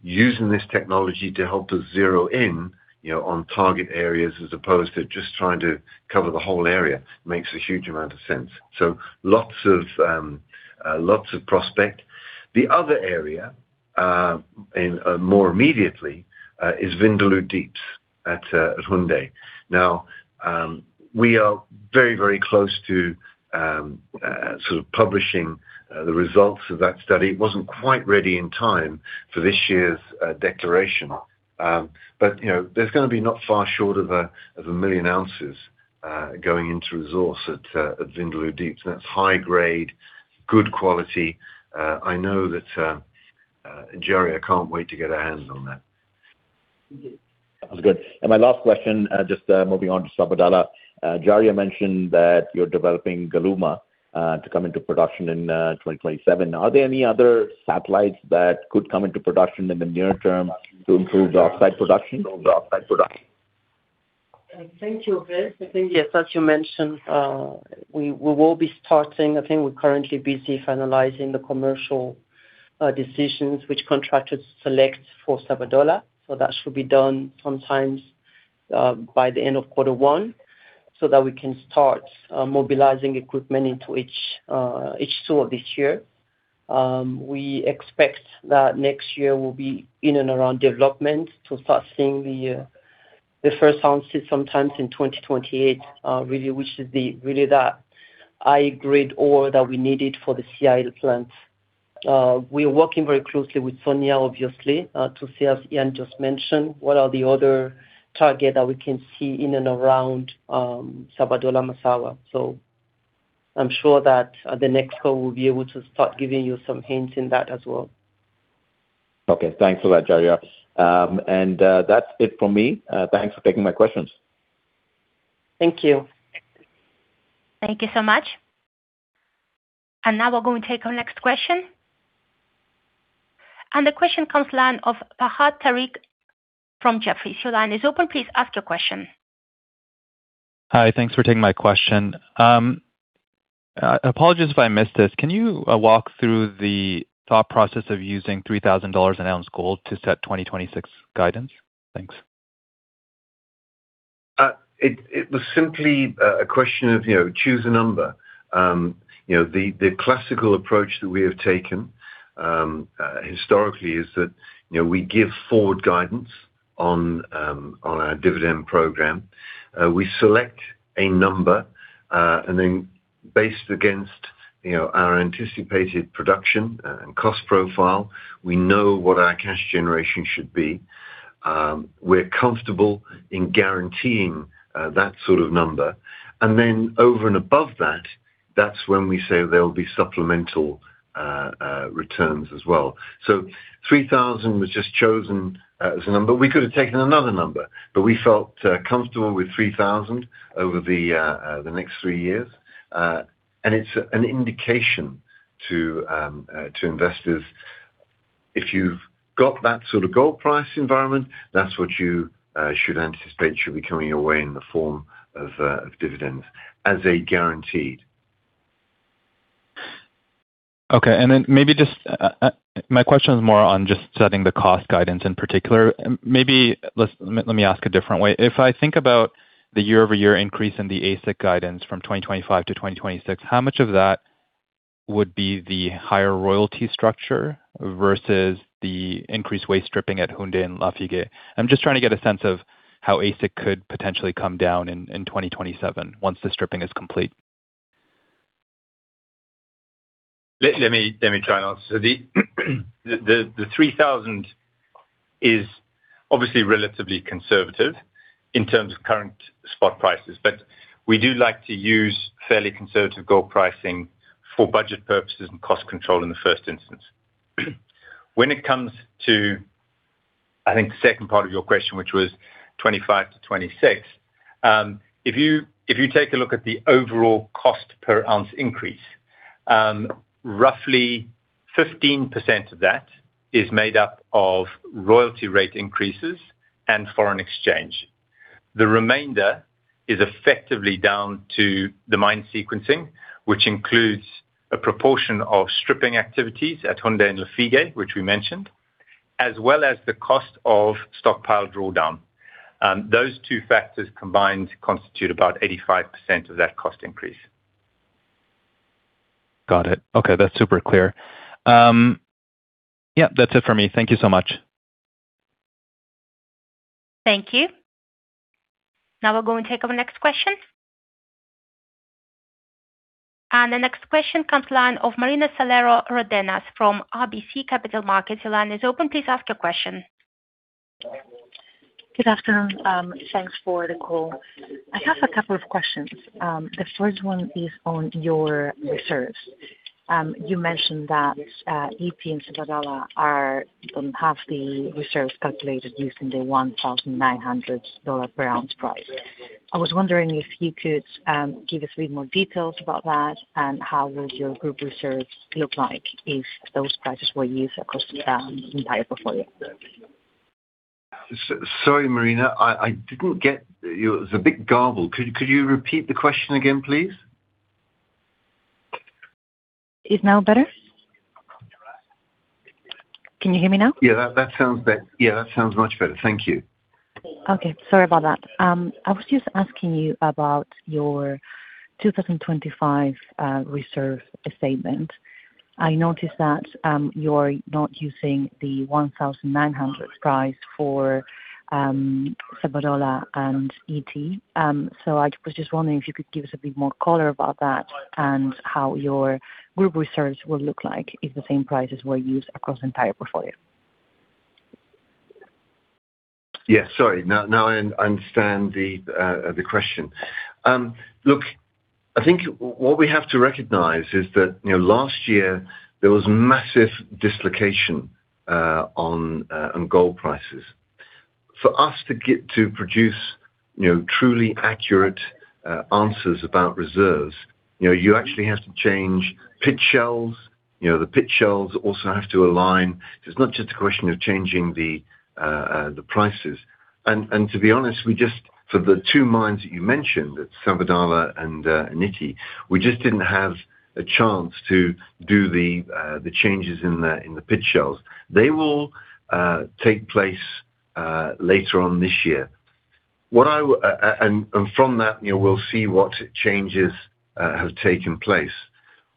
Using this technology to help us zero in, you know, on target areas as opposed to just trying to cover the whole area, makes a huge amount of sense. Lots of prospect. The other area in more immediately is Vindoulou Deeps at Houndé. We are very, very close to sort of publishing the results of that study. It wasn't quite ready in time for this year's declaration. You know, there's gonna be not far short of a 1 million ounces going into resource at Vindoulou Deeps. That's high grade, good quality. I know that Djaria can't wait to get her hands on that. That was good. My last question, just moving on to Sabodala-Massawa. Djaria mentioned that you're developing Golouma to come into production in 2027. Are there any other satellites that could come into production in the near term to improve the offsite production? Thank you, Ovais. I think, yes, as you mentioned, we are currently busy finalizing the commercial decisions which contractors select for Sabodala. That should be done sometimes by the end of quarter one, so that we can start mobilizing equipment into each tour this year. We expect that next year will be in and around development to start seeing the first ounces sometimes in 2028, really, which is the really high-grade ore that we needed for the CIL plants. We are working very closely with Sonia, obviously, to see as Ian just mentioned, what are the other target that we can see in and around Sabodala-Massawa. I'm sure that the next call we'll be able to start giving you some hints in that as well. Okay. Thanks a lot, Djaria. That's it from me. Thanks for taking my questions. Thank you. Thank you so much. Now we're going to take our next question. The question comes line of Fahad Tariq from Jefferies. Your line is open, please ask your question. Hi. Thanks for taking my question. Apologies if I missed this. Can you walk through the thought process of using $3,000 an ounce gold to set 2026 guidance? Thanks. It was simply a question of, you know, choose a number. You know, the classical approach that we have taken historically is that, you know, we give forward guidance on our dividend program. We select a number, and then based against, you know, our anticipated production and cost profile, we know what our cash generation should be. We're comfortable in guaranteeing that sort of number. Over and above that's when we say there'll be supplemental returns as well. ZWF 3,000 was just chosen as a number. We could have taken another number, but we felt comfortable with ZWF 3,000 over the next three years. It's an indication to investors if you've got that sort of gold price environment, that's what you should anticipate should be coming your way in the form of dividends as a guaranteed. Okay. Maybe just my question is more on just setting the cost guidance in particular. Maybe let me ask a different way. If I think about the year-over-year increase in the AISC guidance from 2025 - 2026, how much of that would be the higher royalty structure versus the increased waste stripping at Houndé and Lafigué? I'm just trying to get a sense of how AISC could potentially come down in 2027 once the stripping is complete. Let me try and answer. The 3,000 is obviously relatively conservative in terms of current spot prices, but we do like to use fairly conservative gold pricing for budget purposes and cost control in the first instance. When it comes to, I think the second part of your question, which was 25-26, if you take a look at the overall cost per ounce increase, roughly 15% of that is made up of royalty rate increases and foreign exchange. The remainder is effectively down to the mine sequencing, which includes a proportion of stripping activities at Houndé and Lafigué, which we mentioned, as well as the cost of stockpile drawdown. Those two factors combined constitute about 85% of that cost increase. Got it. Okay, that's super clear. Yep, that's it for me. Thank you so much. Thank you. Now we're going to take our next question. The next question comes line of Marina Calero Ródenas from RBC Capital Markets. Your line is open. Please ask your question. Good afternoon. Thanks for the call. I have a couple of questions. The first one is on your reserves. You mentioned that Ity and Sabodala are have the reserves calculated using the $1,900 per ounce price. I was wondering if you could give us a bit more details about that and how would your group reserves look like if those prices were used across the entire portfolio. Sorry, Marina. I didn't get you. It was a bit garbled. Could you repeat the question again, please? Is now better? Can you hear me now? Yeah, that sounds much better. Thank you. Okay. Sorry about that. I was just asking you about your 2025 reserve statement. I noticed that you're not using the $1,900 price for Sabodala and Ity. I was just wondering if you could give us a bit more color about that and how your group reserves will look like if the same prices were used across the entire portfolio? Yeah, sorry. Now, I understand the question. Look, I think what we have to recognize is that, you know, last year there was massive dislocation on gold prices. For us to get to produce, you know, truly accurate answers about reserves, you know, you actually have to change pit shells. You know, the pit shells also have to align. It's not just a question of changing the prices. To be honest, we just, for the two mines that you mentioned, Sabodala and Ity, we just didn't have a chance to do the changes in the pit shells. They will take place later on this year. From that, you know, we'll see what changes have taken place.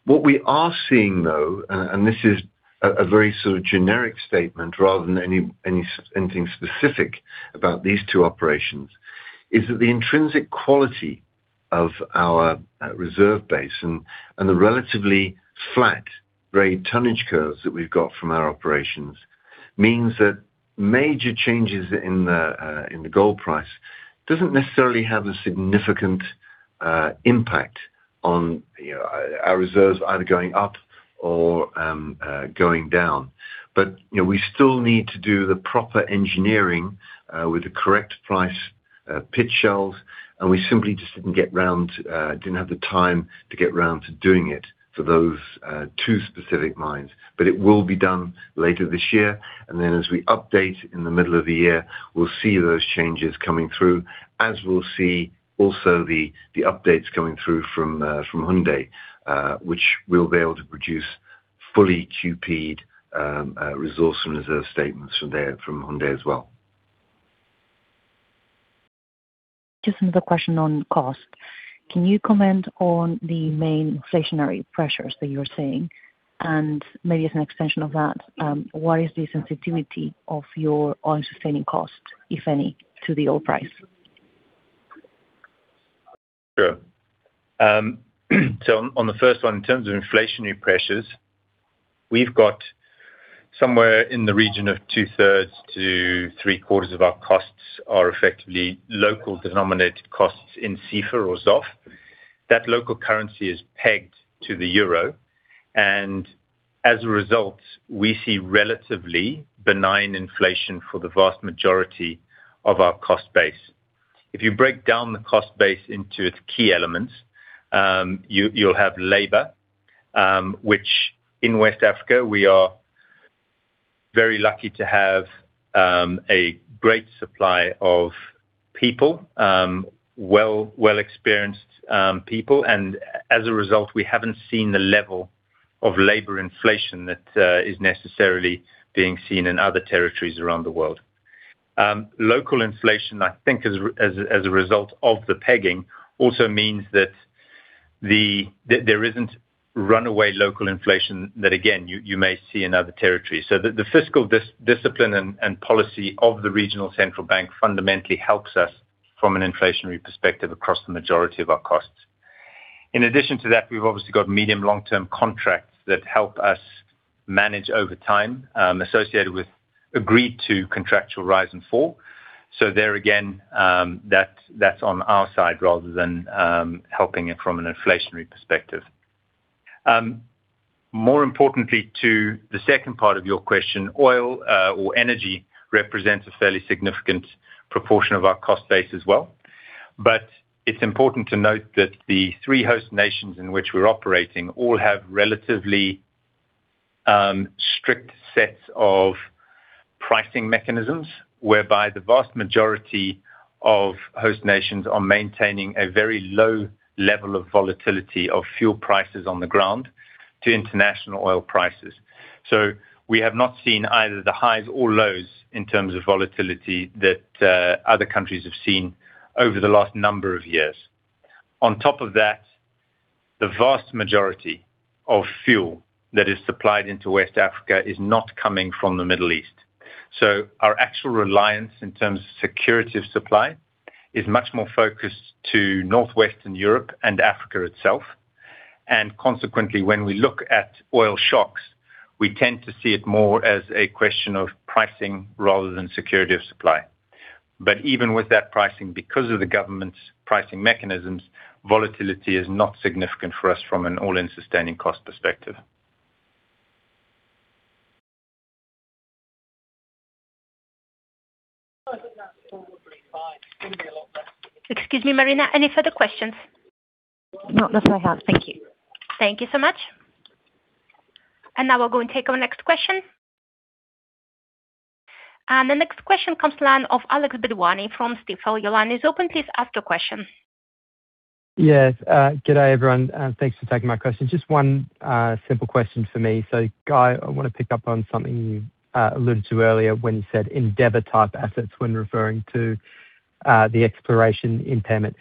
What we are seeing though, and this is a very sort of generic statement rather than anything specific about these two operations, is that the intrinsic quality of our reserve base and the relatively flat grade tonnage curves that we've got from our operations means that major changes in the gold price doesn't necessarily have a significant impact on, you know, our reserves either going up or going down. You know, we still need to do the proper engineering with the correct price, pit shells, and we simply just didn't get round to didn't have the time to get round to doing it for those two specific mines. It will be done later this year, and then as we update in the middle of the year, we'll see those changes coming through, as we'll see also the updates coming through from Houndé, which we'll be able to produce fully QP'd resource and reserve statements from there, from Houndé as well. Just another question on cost. Can you comment on the main inflationary pressures that you're seeing? Maybe as an extension of that, what is the sensitivity of your own sustaining cost, if any, to the oil price? Sure. On the first one, in terms of inflationary pressures, we've got somewhere in the region of two-thirds to three-quarters of our costs are effectively local denominated costs in CFA or ZWF. That local currency is pegged to the euro. As a result, we see relatively benign inflation for the vast majority of our cost base. If you break down the cost base into its key elements, you'll have labor, which in West Africa we are very lucky to have a great supply of people, well experienced people. As a result, we haven't seen the level of labor inflation that is necessarily being seen in other territories around the world. Local inflation, I think as a result of the pegging, also means that the... There isn't runaway local inflation that again, you may see in other territories. The fiscal dis-discipline and policy of the regional central bank fundamentally helps us from an inflationary perspective across the majority of our costs. In addition to that, we've obviously got medium long-term contracts that help us manage over time, associated with agreed to contractual rise and fall. There again, that's on our side rather than helping it from an inflationary perspective. More importantly to the second part of your question, oil or energy represents a fairly significant proportion of our cost base as well. It's important to note that the three host nations in which we're operating all have relatively strict sets of pricing mechanisms, whereby the vast majority of host nations are maintaining a very low level of volatility of fuel prices on the ground to international oil prices. We have not seen either the highs or lows in terms of volatility that other countries have seen over the last number of years. On top of that. The vast majority of fuel that is supplied into West Africa is not coming from the Middle East. Our actual reliance in terms of security of supply is much more focused to Northwestern Europe and Africa itself. Consequently, when we look at oil shocks, we tend to see it more as a question of pricing rather than security of supply. Even with that pricing, because of the government's pricing mechanisms, volatility is not significant for us from an All-in Sustaining Cost perspective. Excuse me, Marina. Any further questions? No, that's all I have. Thank you. Thank you so much. Now we're going to take our next question. The next question comes to line of Alex Balk from Stifel. Your line is open. Please ask your question. Yes. Good day, everyone, and thanks for taking my question. Just one, simple question for me. Guy, I want to pick up on something you alluded to earlier when you said Endeavour-type assets when referring to the exploration impairment.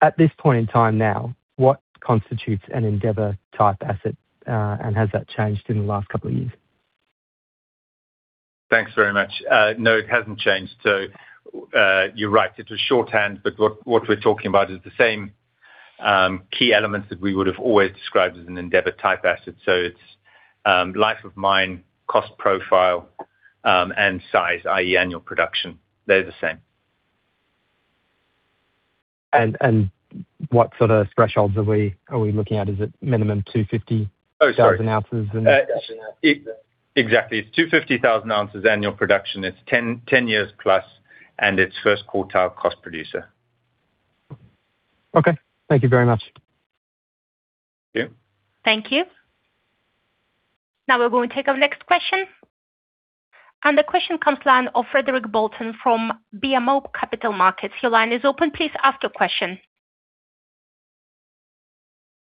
At this point in time now, what constitutes an Endeavour-type asset, and has that changed in the last couple of years? Thanks very much. No, it hasn't changed. You're right. It's a shorthand, but what we're talking about is the same key elements that we would have always described as an Endeavour-type asset. It's life of mine, cost profile, and size, i.e., annual production. They're the same. What sort of thresholds are we looking at? Is it minimum $250- Oh, sorry. -1,000 ounces? Exactly. It's 250,000 ounces annual production, it's 10 years plus, and it's first quartile cost producer. Okay. Thank you very much. Thank you. Thank you. Now we're going to take our next question. The question comes to line of Frédéric Bastien from BMO Capital Markets. Your line is open. Please ask your question.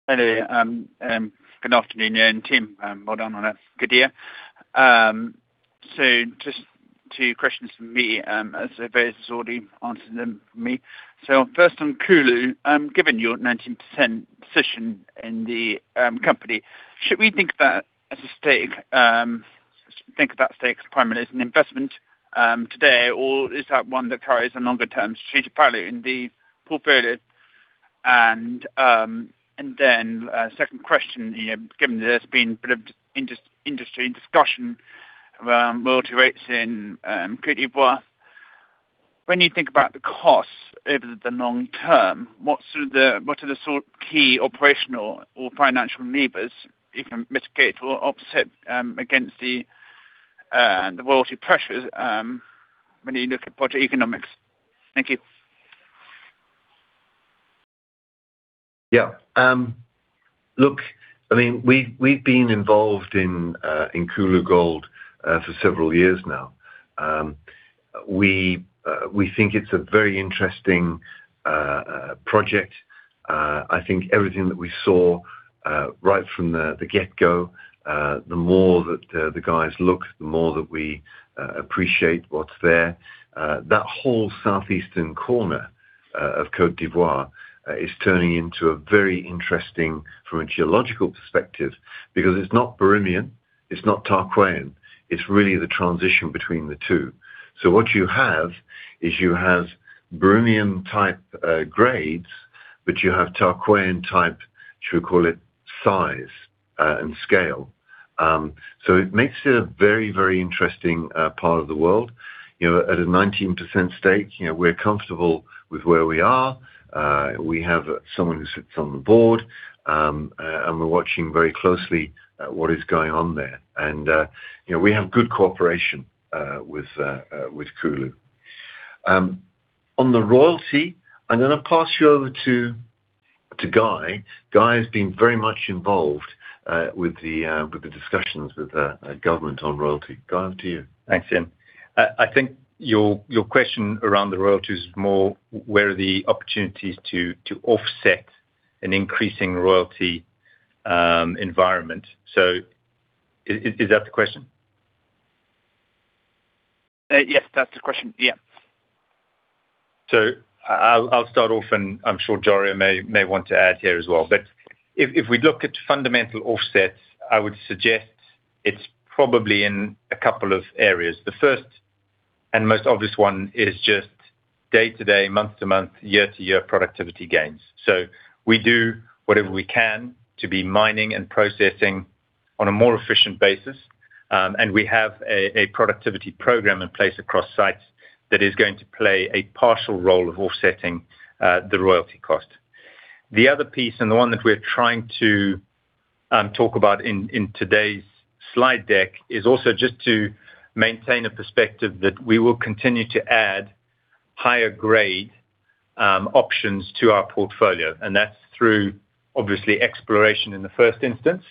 Hello. Good afternoon. Tim, well done on a good year. Just two questions from me, as Seva has already answered them for me. First on Koulou, given your 19% position in the company, should we think about as a stake, think about stake as primarily as an investment today, or is that one that carries a longer term strategic value in the portfolio? Second question, you know, given there's been bit of industry discussion around royalty rates in Côte d'Ivoire, when you think about the costs over the long term, what are the sort of key operational or financial levers you can mitigate or offset against the royalty pressures when you look at project economics? Thank you. Yeah. Look, I mean, we've been involved in Koulou Gold for several years now. We think it's a very interesting project. I think everything that we saw right from the get go, the more that the guys look, the more that we appreciate what's there. That whole southeastern corner of Côte d'Ivoire is turning into a very interesting from a geological perspective because it's not Birimian, it's not Tarkwaian, it's really the transition between the two. What you have is you have Birimian type grades, but you have Tarkwaian type, should we call it, size and scale. It makes it a very, very interesting part of the world. You know, at a 19% stake, you know, we're comfortable with where we are. We have someone who sits on the board, and we're watching very closely what is going on there. You know, we have good cooperation with Kulu. On the royalty, I'm gonna pass you over to Guy. Guy has been very much involved with the discussions with the government on royalty. Guy, over to you. Thanks, Ian. I think your question around the royalty is more where are the opportunities to offset an increasing royalty, environment. Is that the question? Yes, that's the question. Yeah. I'll start off, and I'm sure Djaria may want to add here as well. If we look at fundamental offsets, I would suggest it's probably in a couple of areas. The first and most obvious one is just day to day, month to month, year to year productivity gains. We do whatever we can to be mining and processing on a more efficient basis, and we have a productivity program in place across sites that is going to play a partial role of offsetting the royalty cost. The other piece, and the one that we're trying to talk about in today's slide deck, is also just to maintain a perspective that we will continue to add higher grade options to our portfolio, and that's through obviously exploration in the first instance,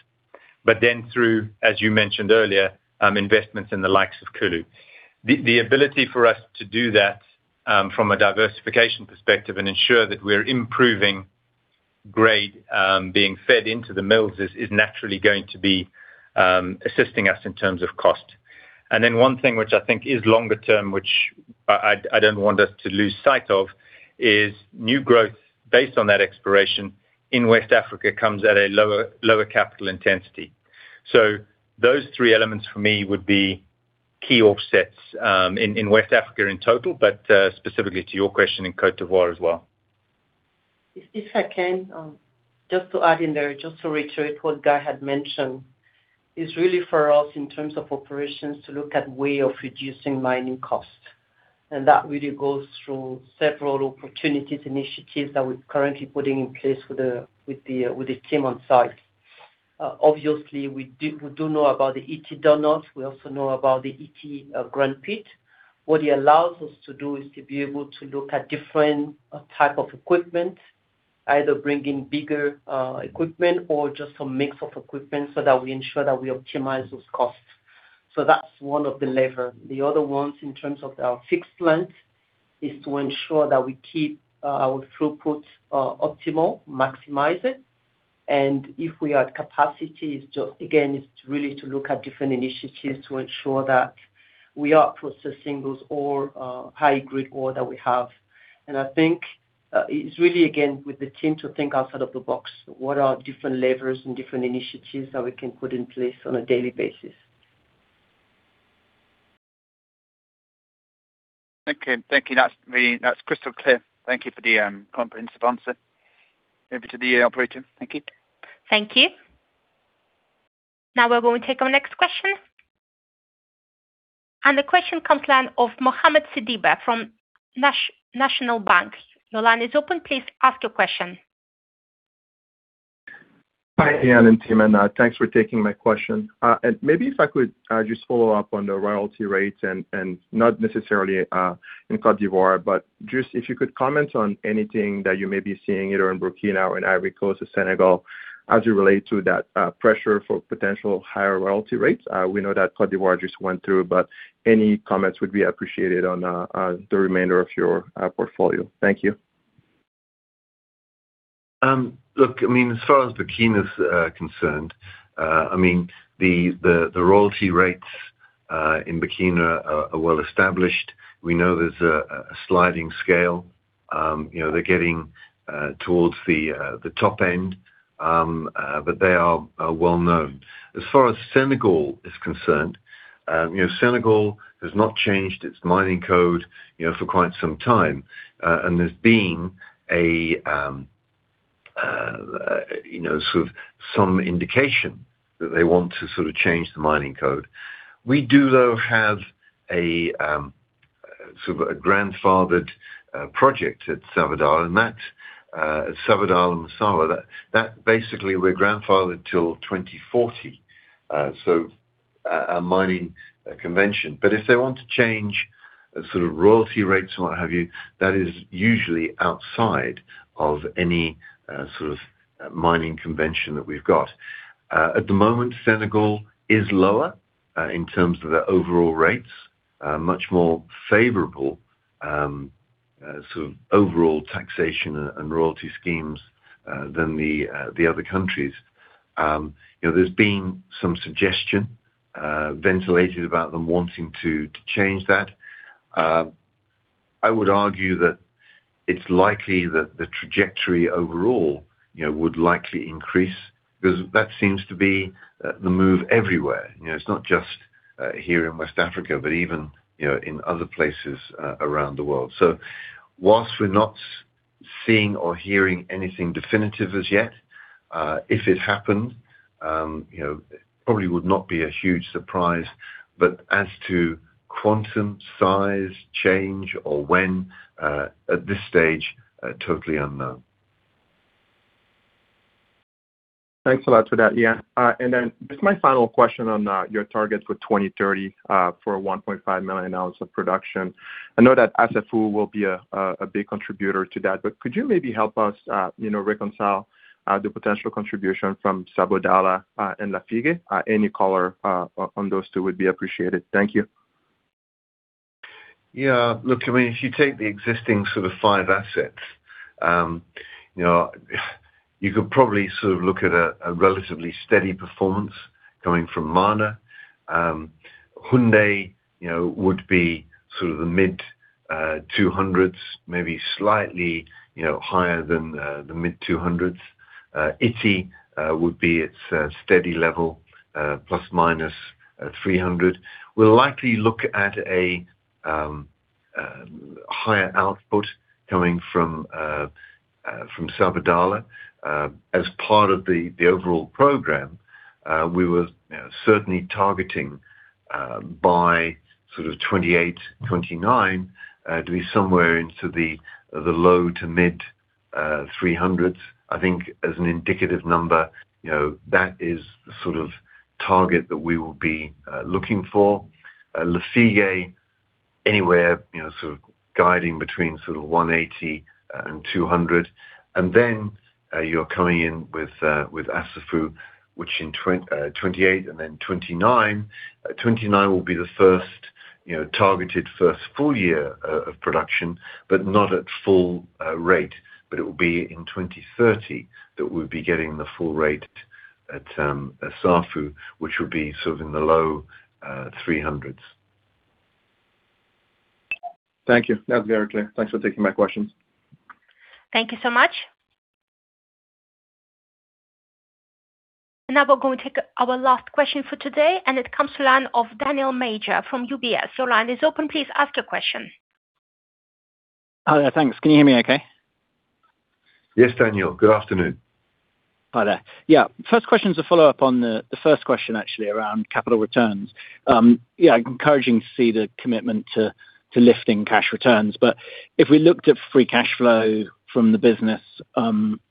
but then through, as you mentioned earlier, investments in the likes of Kulu. The ability for us to do that, from a diversification perspective and ensure that we're improving grade, being fed into the mills is naturally going to be assisting us in terms of cost. One thing which I think is longer term, which I don't want us to lose sight of, is new growth based on that exploration in West Africa comes at a lower capital intensity. Those three elements for me would be key offsets, in West Africa in total. Specifically to your question, in Côte d'Ivoire as well. If I can, just to add in there, just to reiterate what Guy had mentioned, is really for us in terms of operations to look at way of reducing mining costs. That really goes through several opportunities, initiatives that we're currently putting in place with the team on site. Obviously we do know about the Ity donut. We also know about the Ity, Gran Pit. What it allows us to do is to be able to look at different type of equipment, either bring in bigger equipment or just a mix of equipment so that we ensure that we optimize those costs. That's one of the lever. The other ones in terms of our fixed plant is to ensure that we keep our throughput optimal, maximize it. If we are at capacity, is to, again, is really to look at different initiatives to ensure that we are processing those ore, high-grade ore that we have. I think, it's really, again, with the team to think outside of the box. What are different levers and different initiatives that we can put in place on a daily basis? Okay. Thank you. That's crystal clear. Thank you for the comprehensive answer. Over to the operator. Thank you. Thank you. Now we're going to take our next question. The question comes line of Mohamed Sidibé from National Bank. Your line is open. Please ask your question. Hi, Ian and team, thanks for taking my question. Maybe if I could just follow up on the royalty rates and not necessarily in Côte d'Ivoire, but just if you could comment on anything that you may be seeing either in Burkina or in Côte d'Ivoire or Senegal as it relate to that pressure for potential higher royalty rates. We know that Côte d'Ivoire just went through, but any comments would be appreciated on the remainder of your portfolio. Thank you. Look, I mean, as far as Burkina is concerned, I mean, the royalty rates in Burkina are well established. We know there's a sliding scale. You know, they're getting towards the top end. They are well known. As far as Senegal is concerned, you know, Senegal has not changed its mining code, you know, for quite some time. There's been a, you know, sort of some indication that they want to sort of change the mining code. We do, though, have a sort of a grandfathered project at Sabodala-Massawa, and that Sabodala-Massawa. That basically we're grandfathered till 2040. A mining convention. If they want to change the sort of royalty rates and what have you, that is usually outside of any sort of mining convention that we've got. At the moment, Senegal is lower in terms of their overall rates. Much more favorable sort of overall taxation and royalty schemes than the other countries. You know, there's been some suggestion ventilated about them wanting to change that. I would argue that it's likely that the trajectory overall, you know, would likely increase because that seems to be the move everywhere. You know, it's not just here in West Africa, but even, you know, in other places around the world. Whilst we're not seeing or hearing anything definitive as yet, if it happened, you know, probably would not be a huge surprise. As to quantum, size, change, or when, at this stage, totally unknown. Thanks a lot for that, Ian. Just my final question on your targets for 2030, for 1.5 million ounces of production. I know that Assafou will be a big contributor to that, could you maybe help us, you know, reconcile, the potential contribution from Sabodala-Massawa, and Lafigué? Any color on those two would be appreciated. Thank you. Yeah. Look, I mean, if you take the existing sort of five assets, you know, you could probably sort of look at a relatively steady performance coming from Mana. Houndé, you know, would be sort of the mid 200s, maybe slightly, you know, higher than the mid 200s. Ity would be its steady level plus minus 300. We'll likely look at a higher output coming from Sabodala-Massawa as part of the overall program we were certainly targeting by sort of 2028, 2029 to be somewhere into the low to mid 300s. I think as an indicative number, you know, that is the sort of target that we will be looking for. Lafigué anywhere, you know, sort of guiding between sort of 180 and 200. You're coming in with Assafou, which in 2028 and then 2029. 2029 will be the first-You know, targeted first full year of production, but not at full rate. It will be in 2030 that we'll be getting the full rate at Assafou, which will be sort of in the low 300s. Thank you. That's very clear. Thanks for taking my questions. Thank you so much. Now we're going to take our last question for today, and it comes to line of Daniel Major from UBS. Your line is open. Please ask your question. Hi there. Thanks. Can you hear me okay? Yes, Daniel. Good afternoon. Hi there. First question is a follow-up on the first question actually around capital returns. Encouraging to see the commitment to lifting cash returns. If we looked at free cash flow from the business,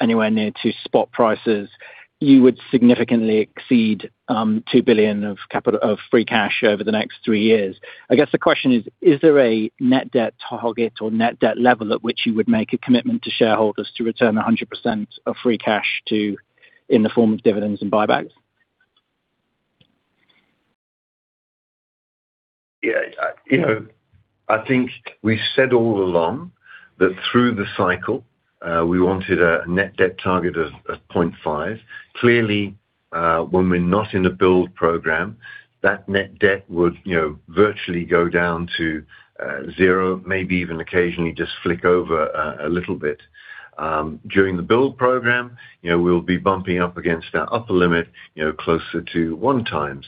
anywhere near to spot prices, you would significantly exceed $2 billion of capital of free cash over the next three years. I guess the question is: Is there a net debt target or net debt level at which you would make a commitment to shareholders to return 100% of free cash to in the form of dividends and buybacks? Yeah. I, you know, I think we said all along that through the cycle, we wanted a net debt target of 0.5. Clearly, when we're not in a build program, that net debt would, you know, virtually go down to zero, maybe even occasionally just flick over a little bit. During the build program, you know, we'll be bumping up against that upper limit, you know, closer to 1x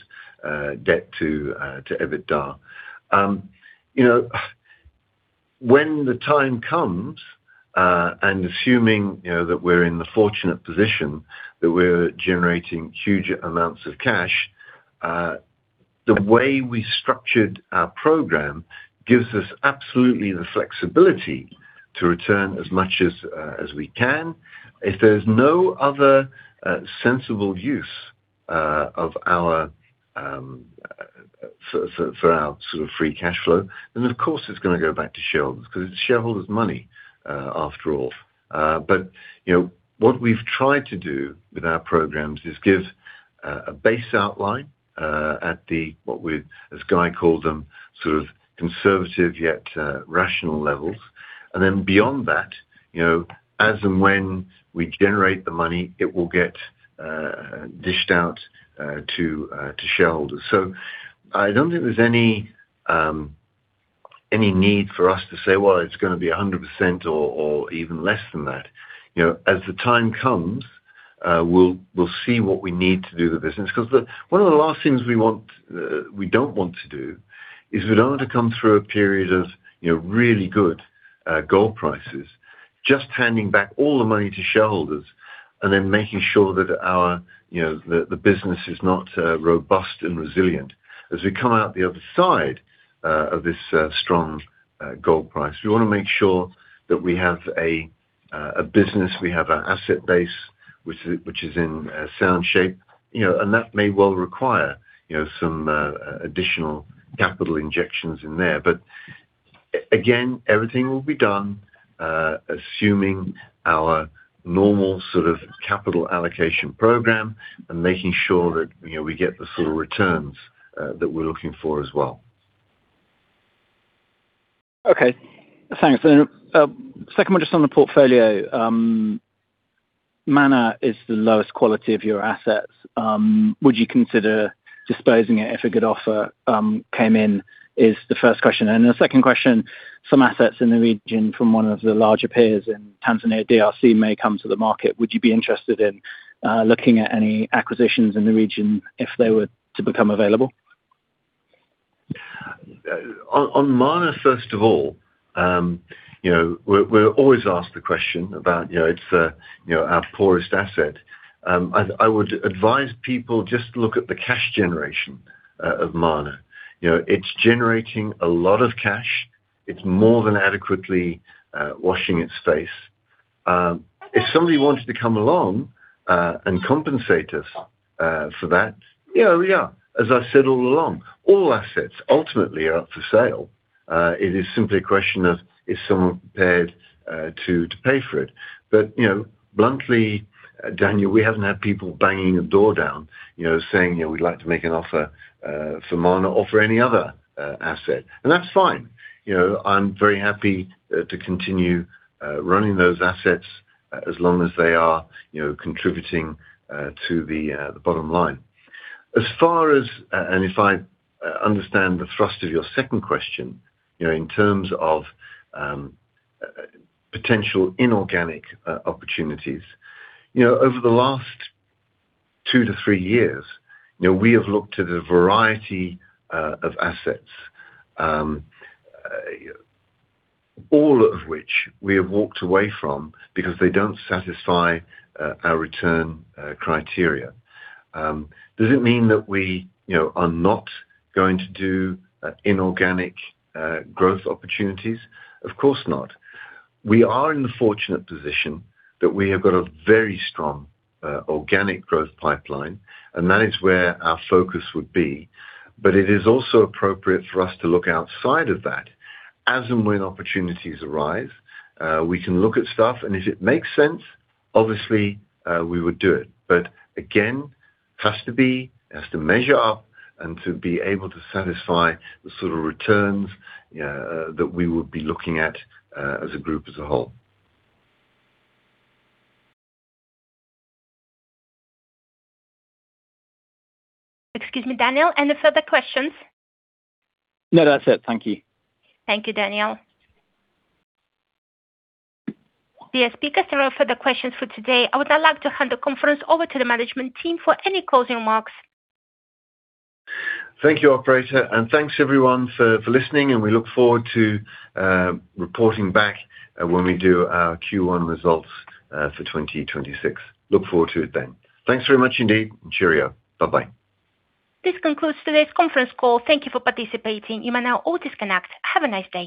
debt to EBITDA. You know, when the time comes, and assuming, you know, that we're in the fortunate position that we're generating huge amounts of cash, the way we structured our program gives us absolutely the flexibility to return as much as we can. If there's no other sensible use of our sort of free cash flow, then of course it's gonna go back to shareholders 'cause it's shareholders' money after all. You know, what we've tried to do with our programs is give a base outline at the, what we as Guy called them, sort of conservative yet rational levels. Beyond that, you know, as and when we generate the money, it will get dished out to shareholders. I don't think there's any need for us to say, "Well, it's gonna be 100% or even less than that." You know, as the time comes, we'll see what we need to do with the business. One of the last things we want, we don't want to do is we don't want to come through a period of, you know, really good gold prices just handing back all the money to shareholders and then making sure that our, you know, the business is not robust and resilient. As we come out the other side of this strong gold price, we wanna make sure that we have a business, we have a asset base which is in sound shape, you know. That may well require, you know, some additional capital injections in there. Again, everything will be done, assuming our normal sort of capital allocation program and making sure that, you know, we get the sort of returns that we're looking for as well. Okay. Thanks. Second one, just on the portfolio. Mana is the lowest quality of your assets. Would you consider disposing it if a good offer came in? Is the first question. The second question, some assets in the region from one of the larger peers in Tanzania, DRC, may come to the market. Would you be interested in looking at any acquisitions in the region if they were to become available? On Mana, first of all, you know, we're always asked the question about, you know, it's, you know, our poorest asset. I would advise people just look at the cash generation of Mana. You know, it's generating a lot of cash. It's more than adequately washing its face. If somebody wanted to come along and compensate us for that, you know, yeah. As I said all along, all assets ultimately are up for sale. It is simply a question of is someone prepared to pay for it. You know, bluntly, Daniel, we haven't had people banging the door down, you know, saying, "You know, we'd like to make an offer for Mana or for any other asset." That's fine. You know, I'm very happy to continue running those assets as long as they are, you know, contributing to the bottom line. As far as, if I understand the thrust of your second question, you know, in terms of potential inorganic opportunities. You know, over the last 2-3 years, you know, we have looked at a variety of assets, all of which we have walked away from because they don't satisfy our return criteria. Does it mean that we, you know, are not going to do inorganic growth opportunities? Of course not. We are in the fortunate position that we have got a very strong organic growth pipeline, that is where our focus would be. It is also appropriate for us to look outside of that. As and when opportunities arise, we can look at stuff, and if it makes sense, obviously, we would do it. Again, has to measure up and to be able to satisfy the sort of returns that we would be looking at as a group as a whole. Excuse me, Daniel, any further questions? No, that's it. Thank you. Thank you, Daniel. Dear speakers, there are no further questions for today. I would now like to hand the conference over to the management team for any closing remarks. Thank you, operator. Thanks everyone for listening, we look forward to reporting back when we do our Q1 results for 2026. Look forward to it then. Thanks very much indeed cheerio. Bye-bye. This concludes today's conference call. Thank you for participating. You may now all disconnect. Have a nice day.